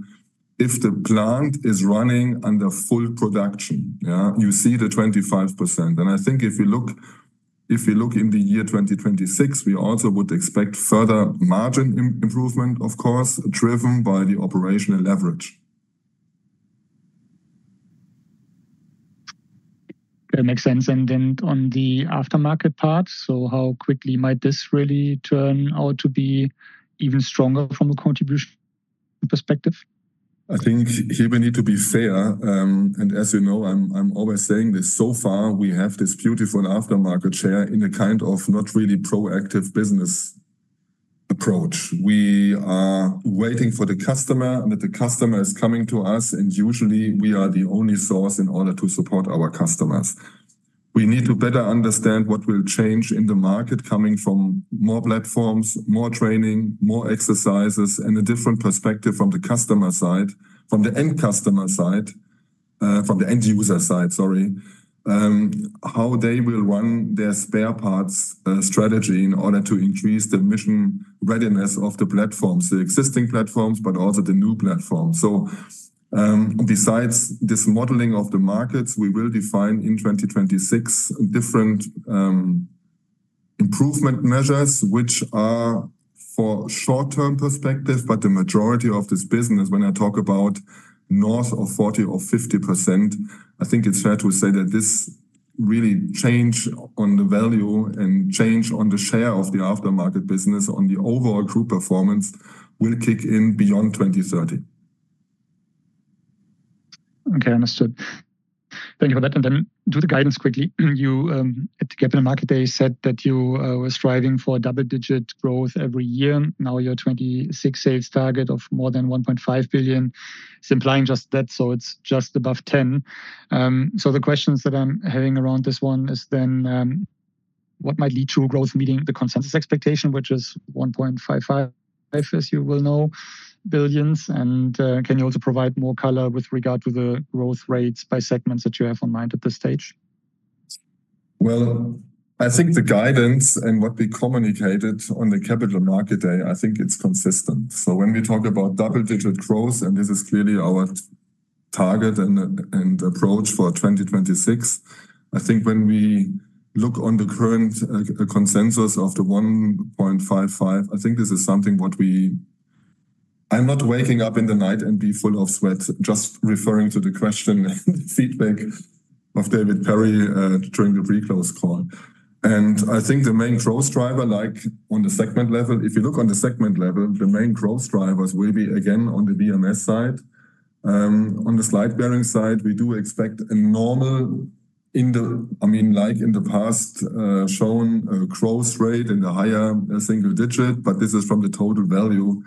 if the plant is running under full production. Yeah? You see the 25%. I think if you look in the year 2026, we also would expect further margin improvement, of course, driven by the operational leverage. That makes sense. On the aftermarket part. How quickly might this really turn out to be even stronger from a contribution perspective? I think here we need to be fair. As you know, I'm always saying this, so far we have this beautiful aftermarket share in a kind of not really proactive business approach. We are waiting for the customer, and that the customer is coming to us, and usually we are the only source in order to support our customers. We need to better understand what will change in the market coming from more platforms, more training, more exercises, a different perspective from the customer side, from the end customer side, from the end user side, sorry. How they will run their spare parts strategy in order to increase the mission readiness of the platforms, the existing platforms, but also the new platforms. Besides this modeling of the markets, we will define in 2026 different improvement measures which are for short-term perspective. The majority of this business, when I talk about north of 40% or 50%, I think it's fair to say that this really change on the value and change on the share of the aftermarket business on the overall group performance will kick in beyond 2030. Okay. Understood. Thank you for that. Then to the guidance quickly. You at the Capital Markets Day said that you were striving for double-digit growth every year. Now your 2026 sales target of more than 1.5 billion is implying just that, so it's just above 10. So the questions that I'm having around this one is then, what might lead to a growth meeting the consensus expectation, which is 1.55 billion, as you well know. Can you also provide more color with regard to the growth rates by segments that you have in mind at this stage? I think the guidance and what we communicated on the Capital Markets Day, I think it's consistent. When we talk about double-digit growth, and this is clearly our target and approach for 2026, I think when we look on the current consensus of the 1.55, I think this is something. I'm not waking up in the night and be full of sweat, just referring to the question feedback of David Perry during the pre-close call. I think the main growth driver, like on the segment level, if you look on the segment level, the main growth drivers will be again on the VMS side. On the Slide Bearings side, we do expect a normal, I mean, like in the past, shown growth rate in the higher single digit, but this is from the total value.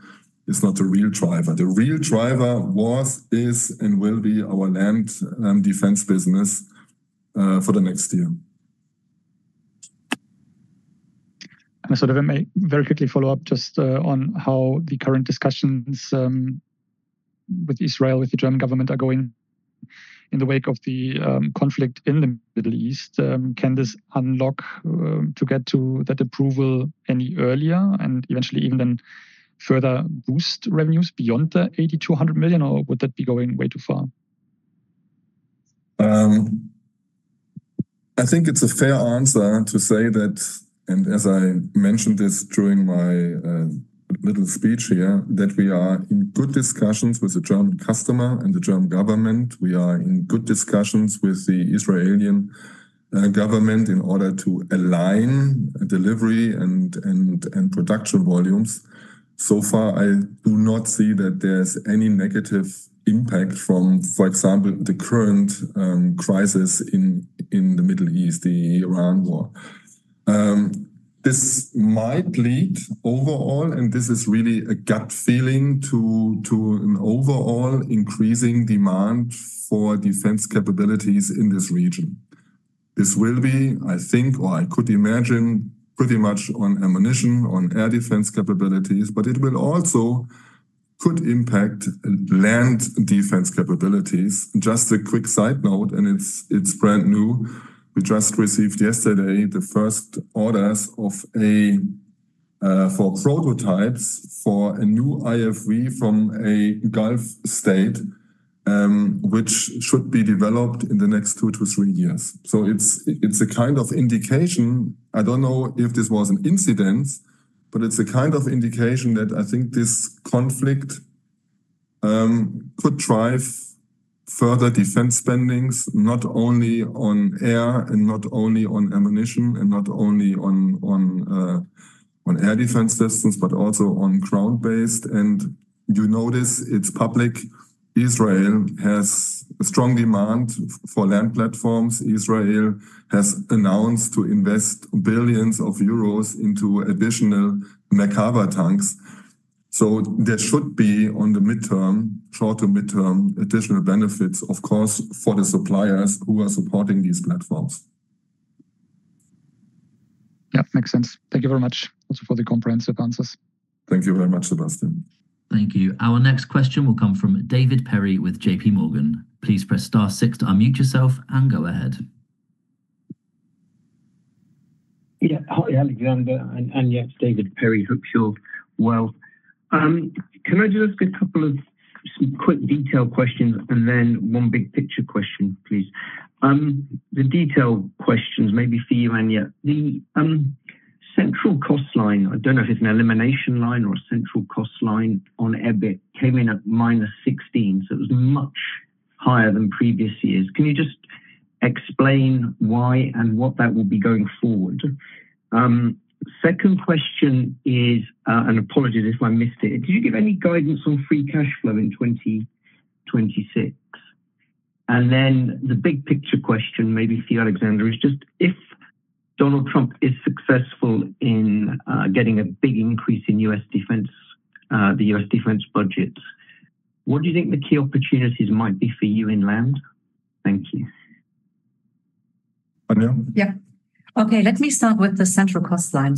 It's not the real driver. The real driver was, is, and will be our land and defense business for the next year. May I very quickly follow up just on how the current discussions with Israel, with the German government are going in the wake of the conflict in the Middle East. Can this unlock to get to that approval any earlier and eventually even then further boost revenues beyond the 8,200 million, or would that be going way too far? I think it's a fair answer to say that, and as I mentioned this during my little speech here, that we are in good discussions with the German customer and the German government. We are in good discussions with the Israeli government in order to align delivery and production volumes. So far, I do not see that there's any negative impact from, for example, the current crisis in the Middle East, the Iran war. This might lead overall, and this is really a gut feeling to an overall increasing demand for defense capabilities in this region. This will be, I think, or I could imagine, pretty much on ammunition, on air defense capabilities, but it will also could impact land defense capabilities. Just a quick side note, and it's brand new. We just received yesterday the first orders of a for prototypes for a new IFV from a Gulf state, which should be developed in the next 2-3-years. It's a kind of indication. I don't know if this was an incident, but it's a kind of indication that I think this conflict, could drive further defense spendings, not only on air and not only on ammunition and not only on air defense systems, but also on ground-based. You notice it's public, Israel has a strong demand for land platforms. Israel has announced to invest billions euros into additional Merkava tanks. There should be on the midterm, short to midterm, additional benefits, of course, for the suppliers who are supporting these platforms. Yeah, makes sense. Thank you very much also for the comprehensive answers. Thank you very much, Sebastian. Thank you. Our next question will come from David Perry with JP Morgan. Please press star six to unmute yourself and go ahead. Hi, Alexander, and yeah, it's David Perry, Hook Shore Wealth. Can I just ask a couple of quick detailed questions and then one big picture question, please? The detailed questions may be for you, Anja. The central cost line, I don't know if it's an elimination line or a central cost line on EBIT, came in at -16, so it was much higher than previous years. Can you just explain why and what that will be going forward? Second question is, and apologies if I missed it, did you give any guidance on free cash flow in 2026? The big picture question maybe for you, Alexander, is just if Donald Trump is successful in getting a big increase in U.S. defense, the U.S. defense budget, what do you think the key opportunities might be for you in land? Thank you. Anja? Yeah. Okay, let me start with the central cost line.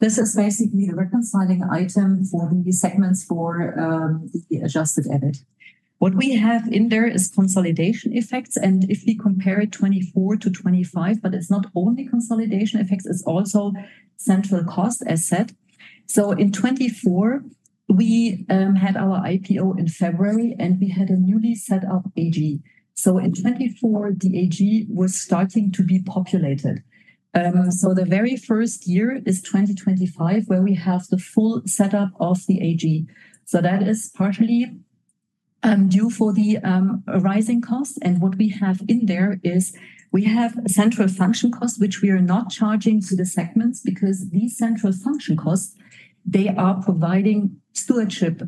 This is basically the reconciling item for the segments for the adjusted EBIT. What we have in there is consolidation effects and if we compare it 2024 to 2025, but it's not only consolidation effects, it's also central cost as said. In 2024, we had our IPO in February, and we had a newly set up AG. In 2024, the AG was starting to be populated. The very first year is 2025 where we have the full setup of the AG. That is partially due for the rising cost. What we have in there is we have central function costs, which we are not charging to the segments because these central function costs, they are providing stewardship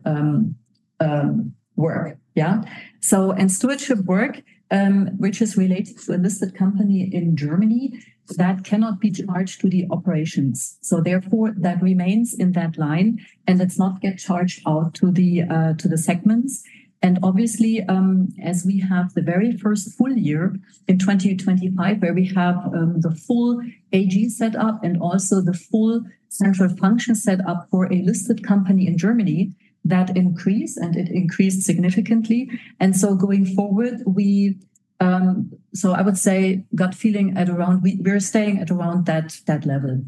work. Yeah. And stewardship work, which is related to a listed company in Germany, that cannot be charged to the operations. That remains in that line and does not get charged out to the segments. Obviously, as we have the very first full year in 2025 where we have the full AG set up and also the full central function set up for a listed company in Germany, that increased, and it increased significantly. Going forward, I would say gut feeling we're staying at around that level.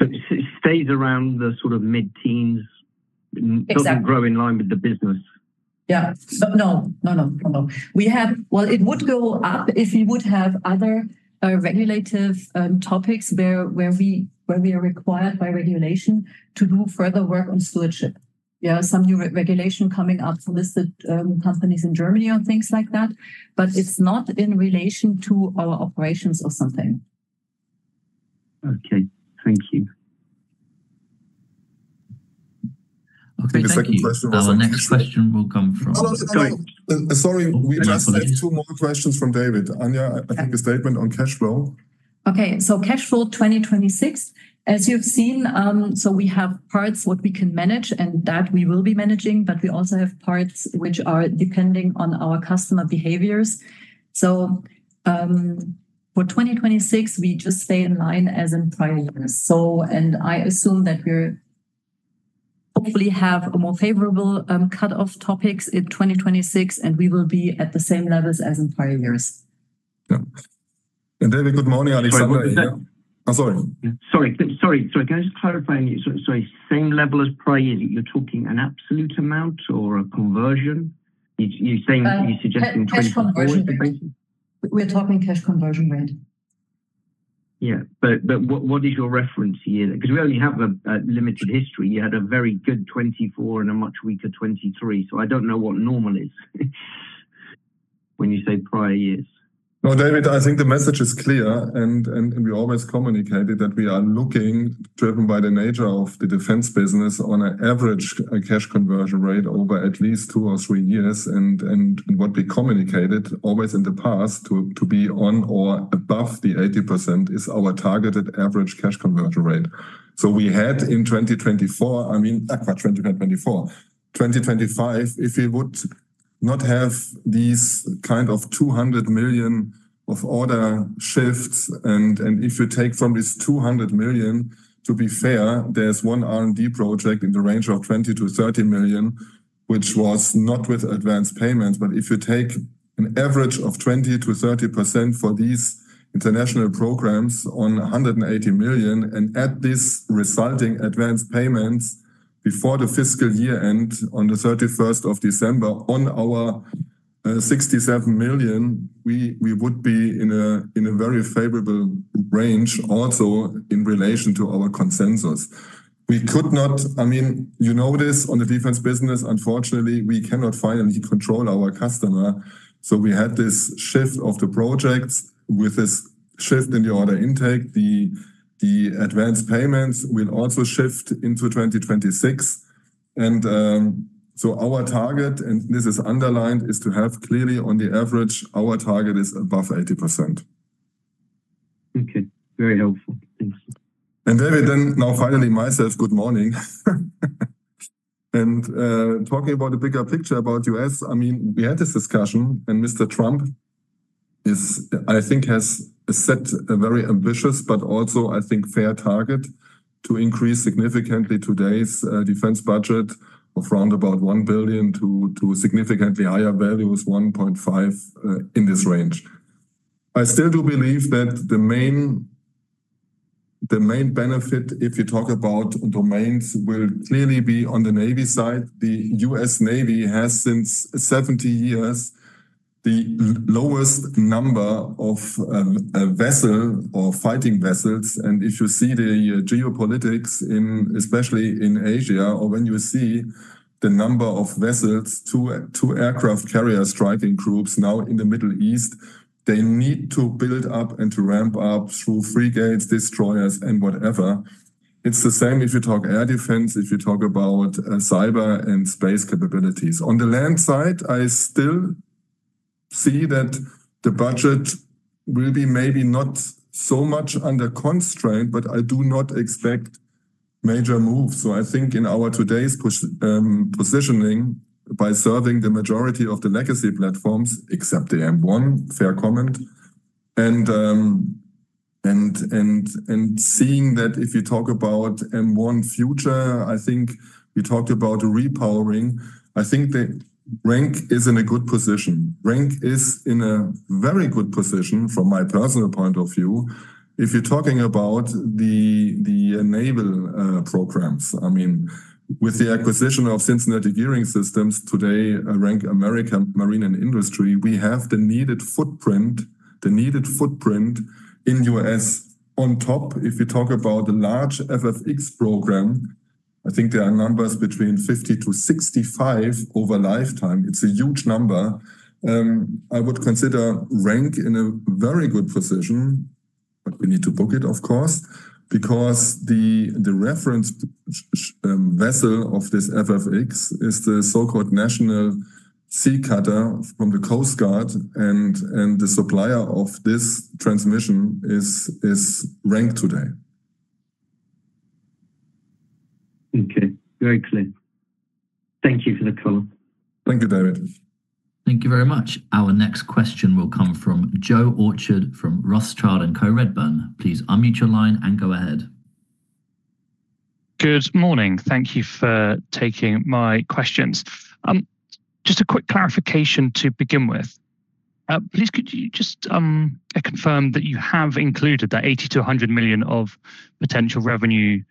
It stays around the sort of mid-teens. Exactly. Doesn't grow in line with the business? Yeah. No. No, no. No, no. Well, it would go up if we would have other, regulative topics where we are required by regulation to do further work on stewardship. There are some new reregulation coming up for listed companies in Germany on things like that, it's not in relation to our operations or something. Okay. Thank you. Okay. The second question. Our next question will come. No, no. Sorry. Oh, go ahead. We just have 2 more questions from David. Anja. Okay. I think a statement on cash flow. Okay. Cash flow 2026. As you've seen, we have parts what we can manage and that we will be managing, but we also have parts which are depending on our customer behaviors. For 2026, we just stay in line as in prior years. And I assume that we're hopefully have a more favorable, cutoff topics in 2026, and we will be at the same levels as in prior years. Yeah. David, good morning. Alexander here. Sorry, what did you say? I'm sorry. Sorry. Sorry, can I just clarify? Sorry, same level as prior year, you're talking an absolute amount or a conversion? You're saying, you're suggesting 20 forward behavior? Cash conversion rate. We're talking cash conversion rate. Yeah. What is your reference year? Because we only have a limited history. You had a very good 2024 and a much weaker 2023, I don't know what normal is. When you say prior years No, David, I think the message is clear and we always communicated that we are looking, driven by the nature of the defense business, on a average, cash conversion rate over at least two or three years. What we communicated always in the past to be on or above the 80% is our targeted average cash conversion rate. We had in 2024 akva, 2024, 2025, if we would not have these kind of 200 million of order shifts and if you take from this 200 million, to be fair, there's one R&D project in the range of 20 million-30 million, which was not with advanced payments. If you take an average of 20%-30% for these international programs on 180 million and add these resulting advanced payments before the fiscal year-end on the 31st of December on our 67 million, we would be in a very favorable range also in relation to our consensus. I mean, you know this on the defense business, unfortunately, we cannot finally control our customer, so we had this shift of the projects. With this shift in the order intake, the advanced payments will also shift into 2026. Our target, and this is underlined, is to have clearly on the average, our target is above 80%. Okay. Very helpful. Thanks. David then, now finally myself, good morning. Talking about the bigger picture about U.S., I mean, we had this discussion and Mr. Trump I think has set a very ambitious but also I think fair target to increase significantly today's defense budget of round about 1 billion to significantly higher values, 1.5 billion in this range. I still do believe that the main benefit, if you talk about domains, will clearly be on the Navy side. The U.S. Navy has since 70 years, the lowest number of vessel or fighting vessels. If you see the geopolitics in, especially in Asia, or when you see the number of vessels, two aircraft carrier striking groups now in the Middle East, they need to build up and to ramp up through frigates, destroyers, and whatever. It's the same if you talk air defense, if you talk about cyber and space capabilities. On the land side, I still see that the budget will be maybe not so much under constraint, but I do not expect major moves. I think in our today's positioning by serving the majority of the legacy platforms, except the M1, fair comment, and seeing that if you talk about M1 future, I think we talked about repowering. I think RENK is in a good position. RENK is in a very good position from my personal point of view. If you're talking about the naval programs, I mean, with the acquisition of Cincinnati Gearing Systems, today, RENK America Marine & Industry, we have the needed footprint, the needed footprint in U.S. On top, if you talk about the large FFX program, I think there are numbers between 50-65 over lifetime. It's a huge number. I would consider RENK in a very good position, but we need to book it, of course, because the reference vessel of this FFX is the so-called National Security Cutter from the Coast Guard and the supplier of this transmission is RENK today. Okay. Very clear. Thank you for the call. Thank you, David. Thank you very much. Our next question will come from Joseph Orchard from Rothschild & Co/Redburn. Please unmute your line and go ahead. Good morning. Thank you for taking my questions. Just a quick clarification to begin with. Please could you just confirm that you have included that 80-100 million of potential revenue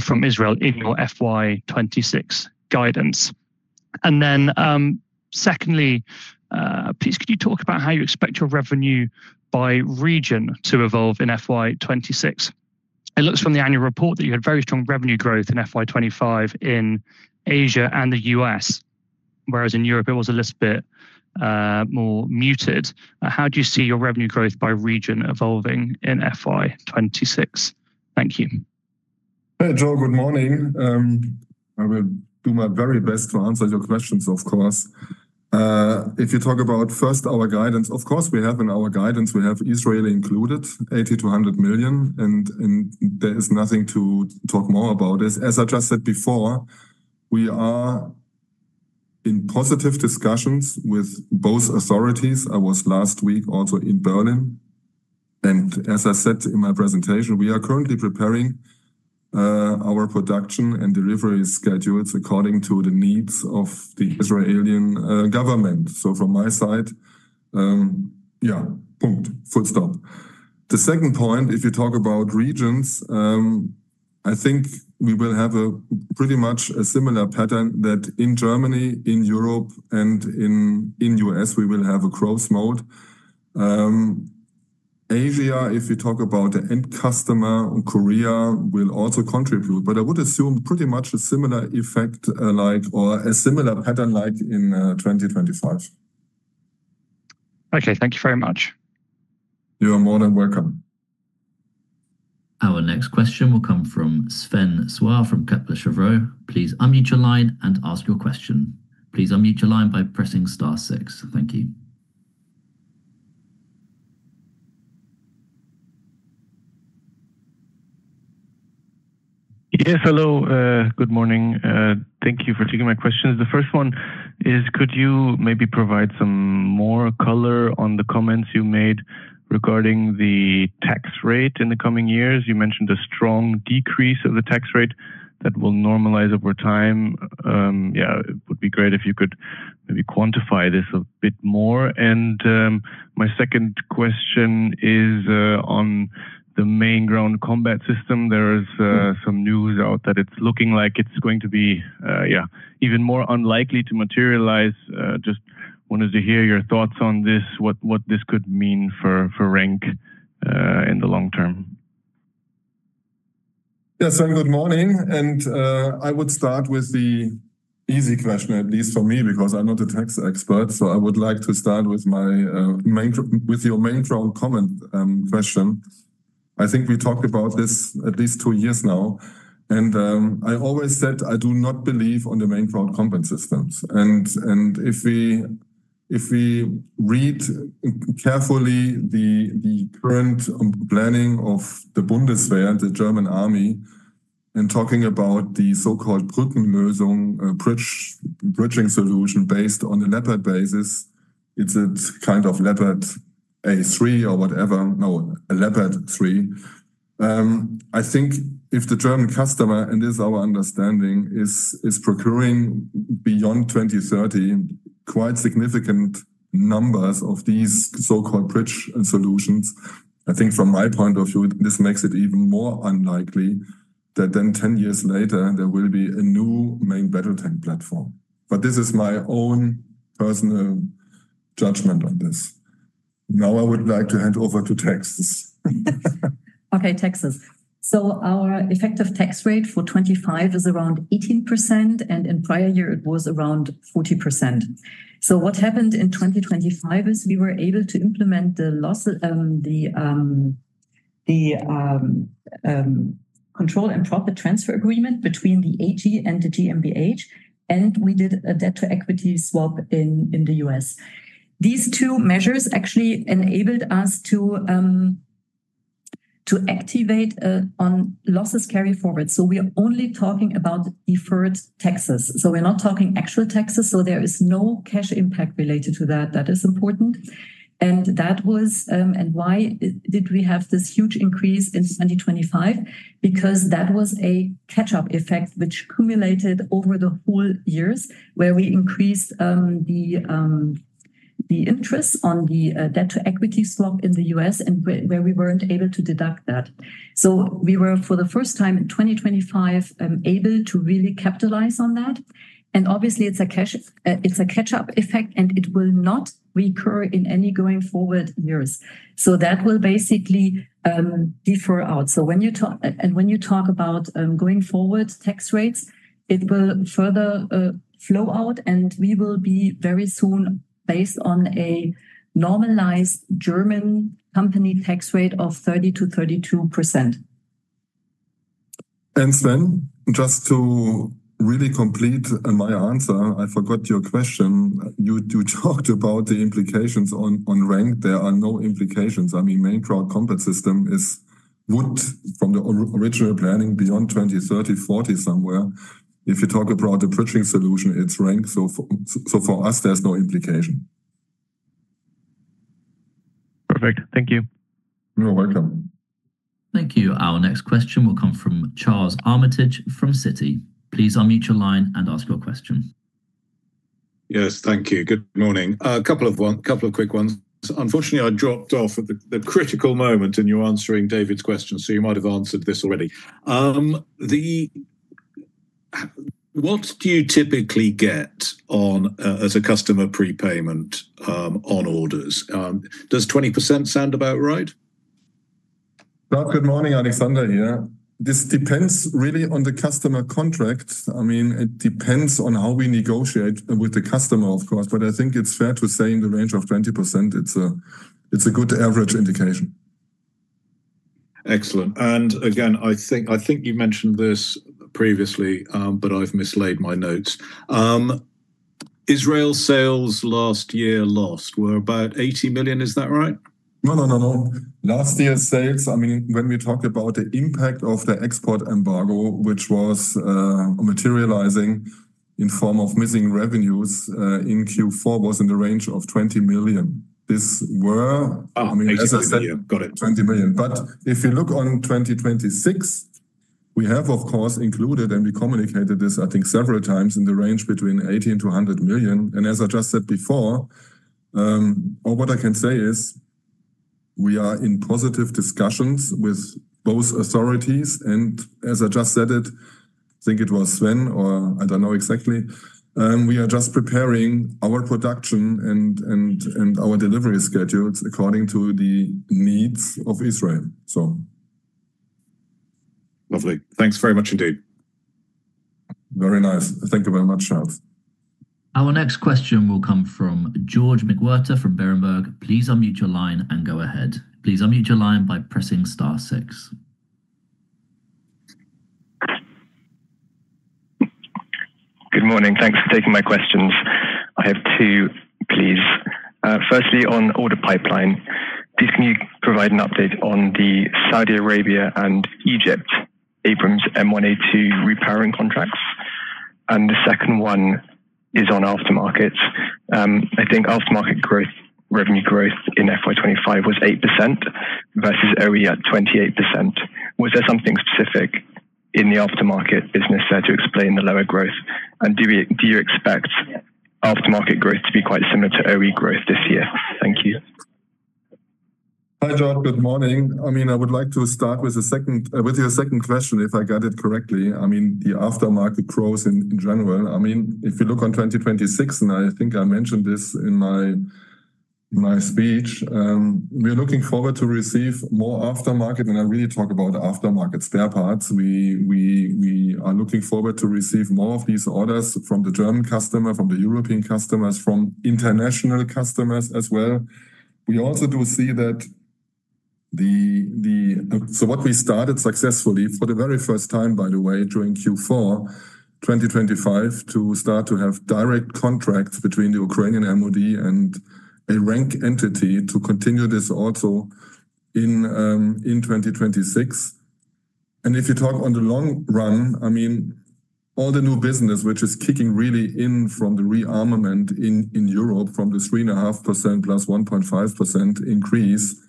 from Israel in your FY 2026 guidance? Secondly, please could you talk about how you expect your revenue by region to evolve in FY 2026? It looks from the annual report that you had very strong revenue growth in FY 2025 in Asia and the U.S., whereas in Europe it was a little bit more muted. How do you see your revenue growth by region evolving in FY 2026? Thank you. Hey, Joe. Good morning. I will do my very best to answer your questions, of course. If you talk about first our guidance, of course, we have in our guidance, we have Israel included, 80 million-100 million, there is nothing to talk more about this. As I just said before, we are in positive discussions with both authorities. I was last week also in Berlin. As I said in my presentation, we are currently preparing our production and delivery schedules according to the needs of the Israeli government. From my side, yeah, punkt, full stop. The second point, if you talk about regions, I think we will have a pretty much a similar pattern that in Germany, in Europe, and in U.S., we will have a growth mode. Asia, if you talk about the end customer, and Korea will also contribute. I would assume pretty much a similar effect, like or a similar pattern like in 2025. Okay. Thank you very much. You are more than welcome. Our next question will come from Sven Sauer from Kepler Cheuvreux. Please unmute your line and ask your question. Please unmute your line by pressing star six. Thank you. Yes, hello. Good morning. Thank you for taking my questions. The first one is, could you maybe provide some more color on the comments you made regarding the tax rate in the coming years? You mentioned a strong decrease of the tax rate that will normalize over time. Yeah, it would be great if you could maybe quantify this a bit more. My second question is on the Main Ground Combat System. There is. Mm-hmm... some news out that it's looking like it's going to be, yeah, even more unlikely to materialize. Just wanted to hear your thoughts on this, what this could mean for RENK in the long term? Sven. Good morning. I would start with the easy question, at least for me, because I'm not a tax expert, so I would like to start with my Main Ground Combat question. I think we talked about this at least two years now and I always said I do not believe on the Main Ground Combat systems. If we read carefully the current planning of the Bundeswehr, the German army, in talking about the so-called Brückenlösung, bridge-bridging solution based on the Leopard basis, it's a kind of Leopard A3 or whatever, a Leopard 3. I think if the German customer, and this is our understanding, is procuring beyond 2030 quite significant numbers of these so-called bridge solutions, I think from my point of view, this makes it even more unlikely that then 10 years later there will be a new main battle tank platform. This is my own personal judgment on this. I would like to hand over to taxes. Okay, taxes. Our effective tax rate for 25 is around 18%, and in prior year it was around 40%. What happened in 2025 is we were able to implement the loss, the control and profit transfer agreement between the AG and the GmbH, and we did a debt-to-equity swap in the U.S. These two measures actually enabled us to activate on losses carry forward. We're only talking about deferred taxes, we're not talking actual taxes, there is no cash impact related to that. That is important. That was, why did we have this huge increase in 2025? That was a catch-up effect which cumulated over the whole years, where we increased the interest on the debt-to-equity swap in the U.S. and where we weren't able to deduct that. We were for the first time in 2025 able to really capitalize on that, and obviously it's a cash, it's a catch-up effect, and it will not recur in any going forward years. That will basically defer out. When you talk, and when you talk about going forward tax rates, it will further flow out, and we will be very soon based on a normalized German company tax rate of 30%-32%. Sven, just to really complete my answer, I forgot your question. You talked about the implications on RENK. There are no implications. I mean, Main Ground Combat System is would from the original planning beyond 2030, 2040 somewhere. If you talk about the bridging solution, it's RENK. For us, there's no implication. Perfect. Thank you. You're welcome. Thank you. Our next question will come from Charles Armitage from Citi. Please unmute your line and ask your question. Thank you. Good morning. A couple of quick ones. Unfortunately, I dropped off at the critical moment in you answering David's question. You might have answered this already. What do you typically get on as a customer prepayment on orders? Does 20% sound about right? Well, good morning. Alexander here. This depends really on the customer contract. I mean, it depends on how we negotiate with the customer, of course, but I think it's fair to say in the range of 20%. It's a good average indication. Excellent. Again, I think you mentioned this previously, but I've mislaid my notes. Israel sales last year lost were about 80 million. Is that right? No, no, no. Last year's sales, I mean, when we talk about the impact of the export embargo, which was materializing in form of missing revenues in Q4 was in the range of 20 million. EUR 80 million. Got it.... I mean, as I said, 20 million. If you look on 2026, we have of course included, and we communicated this I think several times, in the range between 80 million and 200 million. As I just said before, or what I can say is we are in positive discussions with both authorities, and as I just said, I think it was Sven or I don't know exactly. We are just preparing our production and our delivery schedules according to the needs of Israel, so. Lovely. Thanks very much indeed. Very nice. Thank you very much, Charles. Our next question will come from George McWhirter from Berenberg. Please unmute your line and go ahead. Please unmute your line by pressing star six. Good morning. Thanks for taking my questions. I have two, please. Firstly, on order pipeline, please can you provide an update on the Saudi Arabia and Egypt Abrams M1A2 repowering contracts? The second one is on aftermarkets. I think aftermarket growth, revenue growth in FY 2025 was 8% versus OE at 28%. Was there something specific in the aftermarket business there to explain the lower growth? Do you expect aftermarket growth to be quite similar to OE growth this year? Thank you. Hi, George. Good morning. I mean, I would like to start with your second question, if I got it correctly. I mean, the aftermarket growth in general. I mean, if you look on 2026, and I think I mentioned this in my, in my speech, we are looking forward to receive more aftermarket, and I really talk about aftermarket spare parts. We are looking forward to receive more of these orders from the German customer, from the European customers, from international customers as well. We also do see that what we started successfully for the very first time, by the way, during Q4 2025 to start to have direct contracts between the Ukrainian MoD and a RENK entity to continue this also in 2026. If you talk on the long run, I mean, all the new business which is kicking really in from the rearmament in Europe from the 3.5%+ 1.5% increase,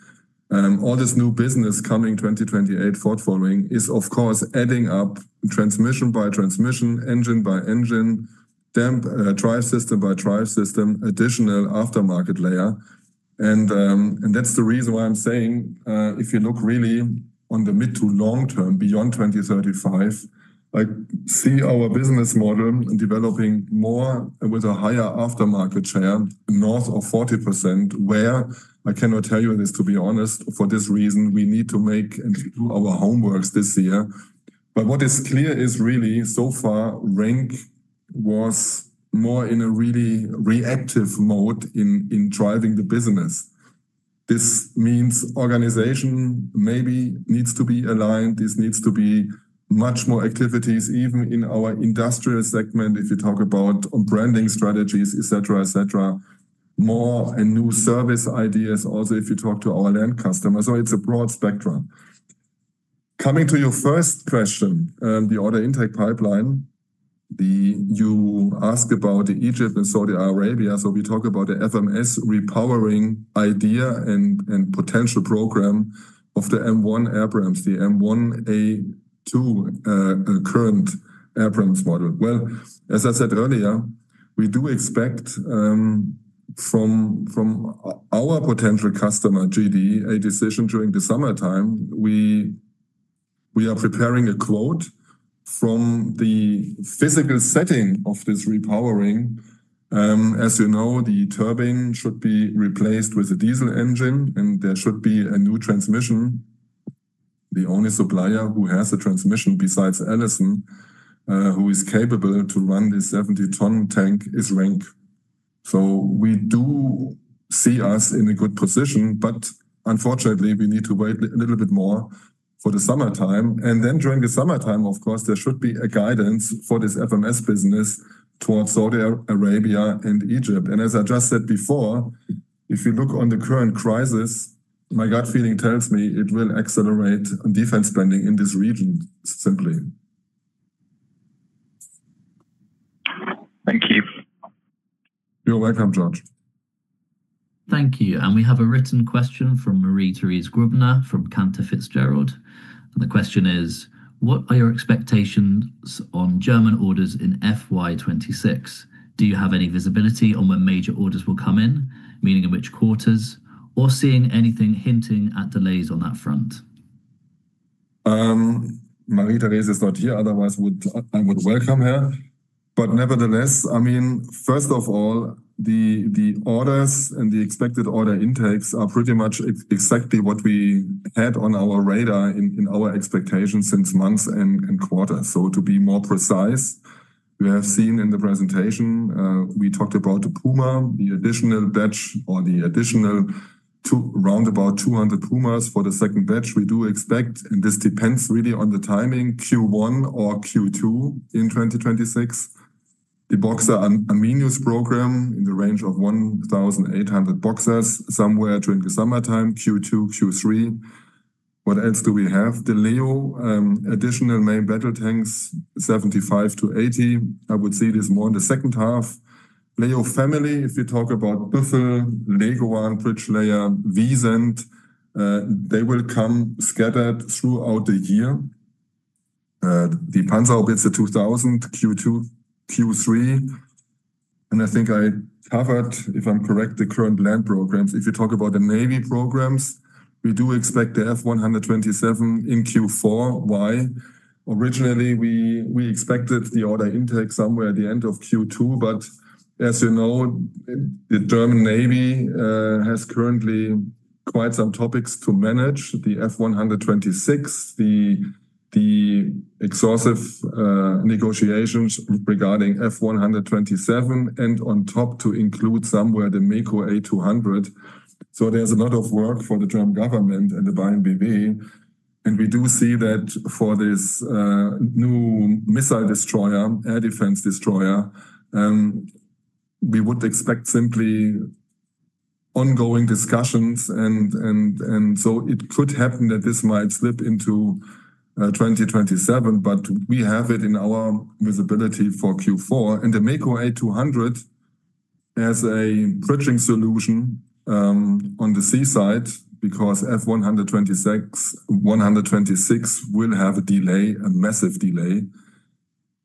all this new business coming 2028 forthcoming is of course adding up transmission by transmission, engine by engine, drive system by drive system, additional aftermarket layer. That's the reason why I'm saying, if you look really on the mid to long term beyond 2035, I see our business model developing more with a higher aftermarket share north of 40%, where I cannot tell you this, to be honest, for this reason, we need to make and do our homework this year. What is clear is really so far, RENK was more in a really reactive mode in driving the business. This means organization maybe needs to be aligned, this needs to be much more activities even in our industrial segment, if you talk about branding strategies, et cetera, et cetera. More and new service ideas also if you talk to our end customer. It's a broad spectrum. Coming to your first question, the order intake pipeline, you ask about Egypt and Saudi Arabia, we talk about the FMS repowering idea and potential program of the M1 Abrams, the M1A2, current Abrams model. Well, as I said earlier, we do expect from our potential customer, GD, a decision during the summertime. We are preparing a quote from the physical setting of this repowering. As you know, the turbine should be replaced with a diesel engine, and there should be a new transmission. The only supplier who has a transmission besides Allison, who is capable to run the 70-ton tank is RENK. We do see us in a good position, but unfortunately, we need to wait a little bit more for the summertime. Then during the summertime, of course, there should be a guidance for this FMS business towards Saudi Arabia and Egypt. As I just said before, if you look on the current crisis, my gut feeling tells me it will accelerate defense spending in this region, simply. Thank you. You're welcome, George. Thank you. We have a written question from Marie-Therese Grubner from Cantor Fitzgerald. The question is: What are your expectations on German orders in FY 2026? Do you have any visibility on when major orders will come in, meaning in which quarters, or seeing anything hinting at delays on that front? Marie-Therese is not here, otherwise I would welcome her. Nevertheless, I mean, first of all, the orders and the expected order intakes are pretty much exactly what we had on our radar in our expectations since months and quarters. To be more precise, you have seen in the presentation, we talked about the Puma, the additional batch or the additional 200 Pumas for the second batch. We do expect, and this depends really on the timing, Q1 or Q2 in 2026. The Boxer Arminius program in the range of 1,800 Boxers somewhere during the summertime, Q2, Q3. What else do we have? The Leo, additional main battle tanks, 75-80. I would say it is more in the second half. Leo family, if you talk about Büffel, Leopard, Brückenlegepanzer, Wisent, they will come scattered throughout the year. The Panzerhaubitze 2000, Q2, Q3. I think I covered, if I'm correct, the current land programs. If you talk about the Navy programs, we do expect the F127 in Q4. Why? Originally, we expected the order intake somewhere at the end of Q2, as you know, the German Navy has currently quite some topics to manage. The F126, the exhaustive negotiations regarding F127 and on top to include somewhere the MEKO A-200. There's a lot of work for the German government and the BMBF. We do see that for this new missile destroyer, air defense destroyer, we would expect simply ongoing discussions and so it could happen that this might slip into 2027, but we have it in our visibility for Q4. The MEKO A-200 as a bridging solution on the sea side because F126, 126 will have a delay, a massive delay.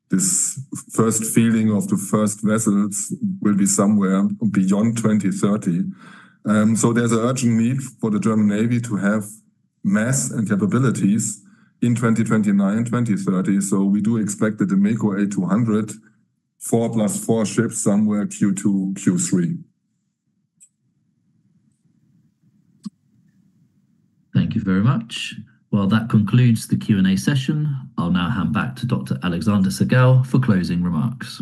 This first feeling of the first vessels will be somewhere beyond 2030. There's an urgent need for the German Navy to have mass and capabilities in 2029, 2030. We do expect that the MEKO A-200, 4+ 4 ships somewhere Q2, Q3. Thank you very much. Well, that concludes the Q&A session. I'll now hand back to Dr. Alexander Sagel for closing remarks.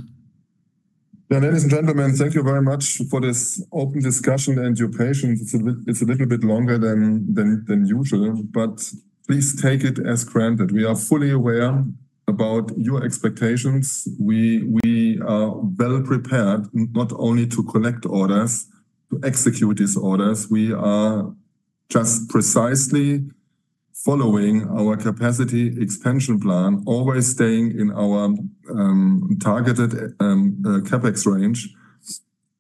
Ladies and gentlemen, thank you very much for this open discussion and your patience. It's a little bit longer than usual, but please take it as granted. We are fully aware about your expectations. We are well prepared not only to collect orders, to execute these orders. We are just precisely following our capacity expansion plan, always staying in our targeted CapEx range.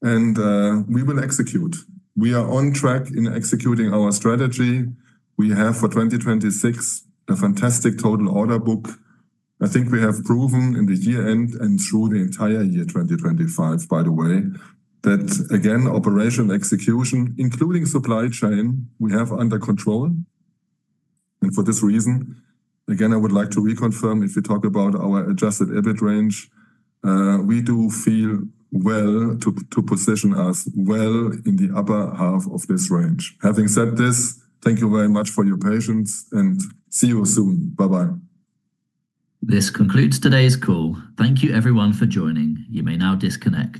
We will execute. We are on track in executing our strategy. We have for 2026 a fantastic total order book. I think we have proven in the year-end and through the entire year 2025, by the way, that again, operation execution, including supply chain, we have under control. For this reason, again, I would like to reconfirm, if you talk about our adjusted EBIT range, we do feel well to position us well in the upper half of this range. Having said this, thank you very much for your patience and see you soon. Bye-bye. This concludes today's call. Thank you everyone for joining. You may now disconnect.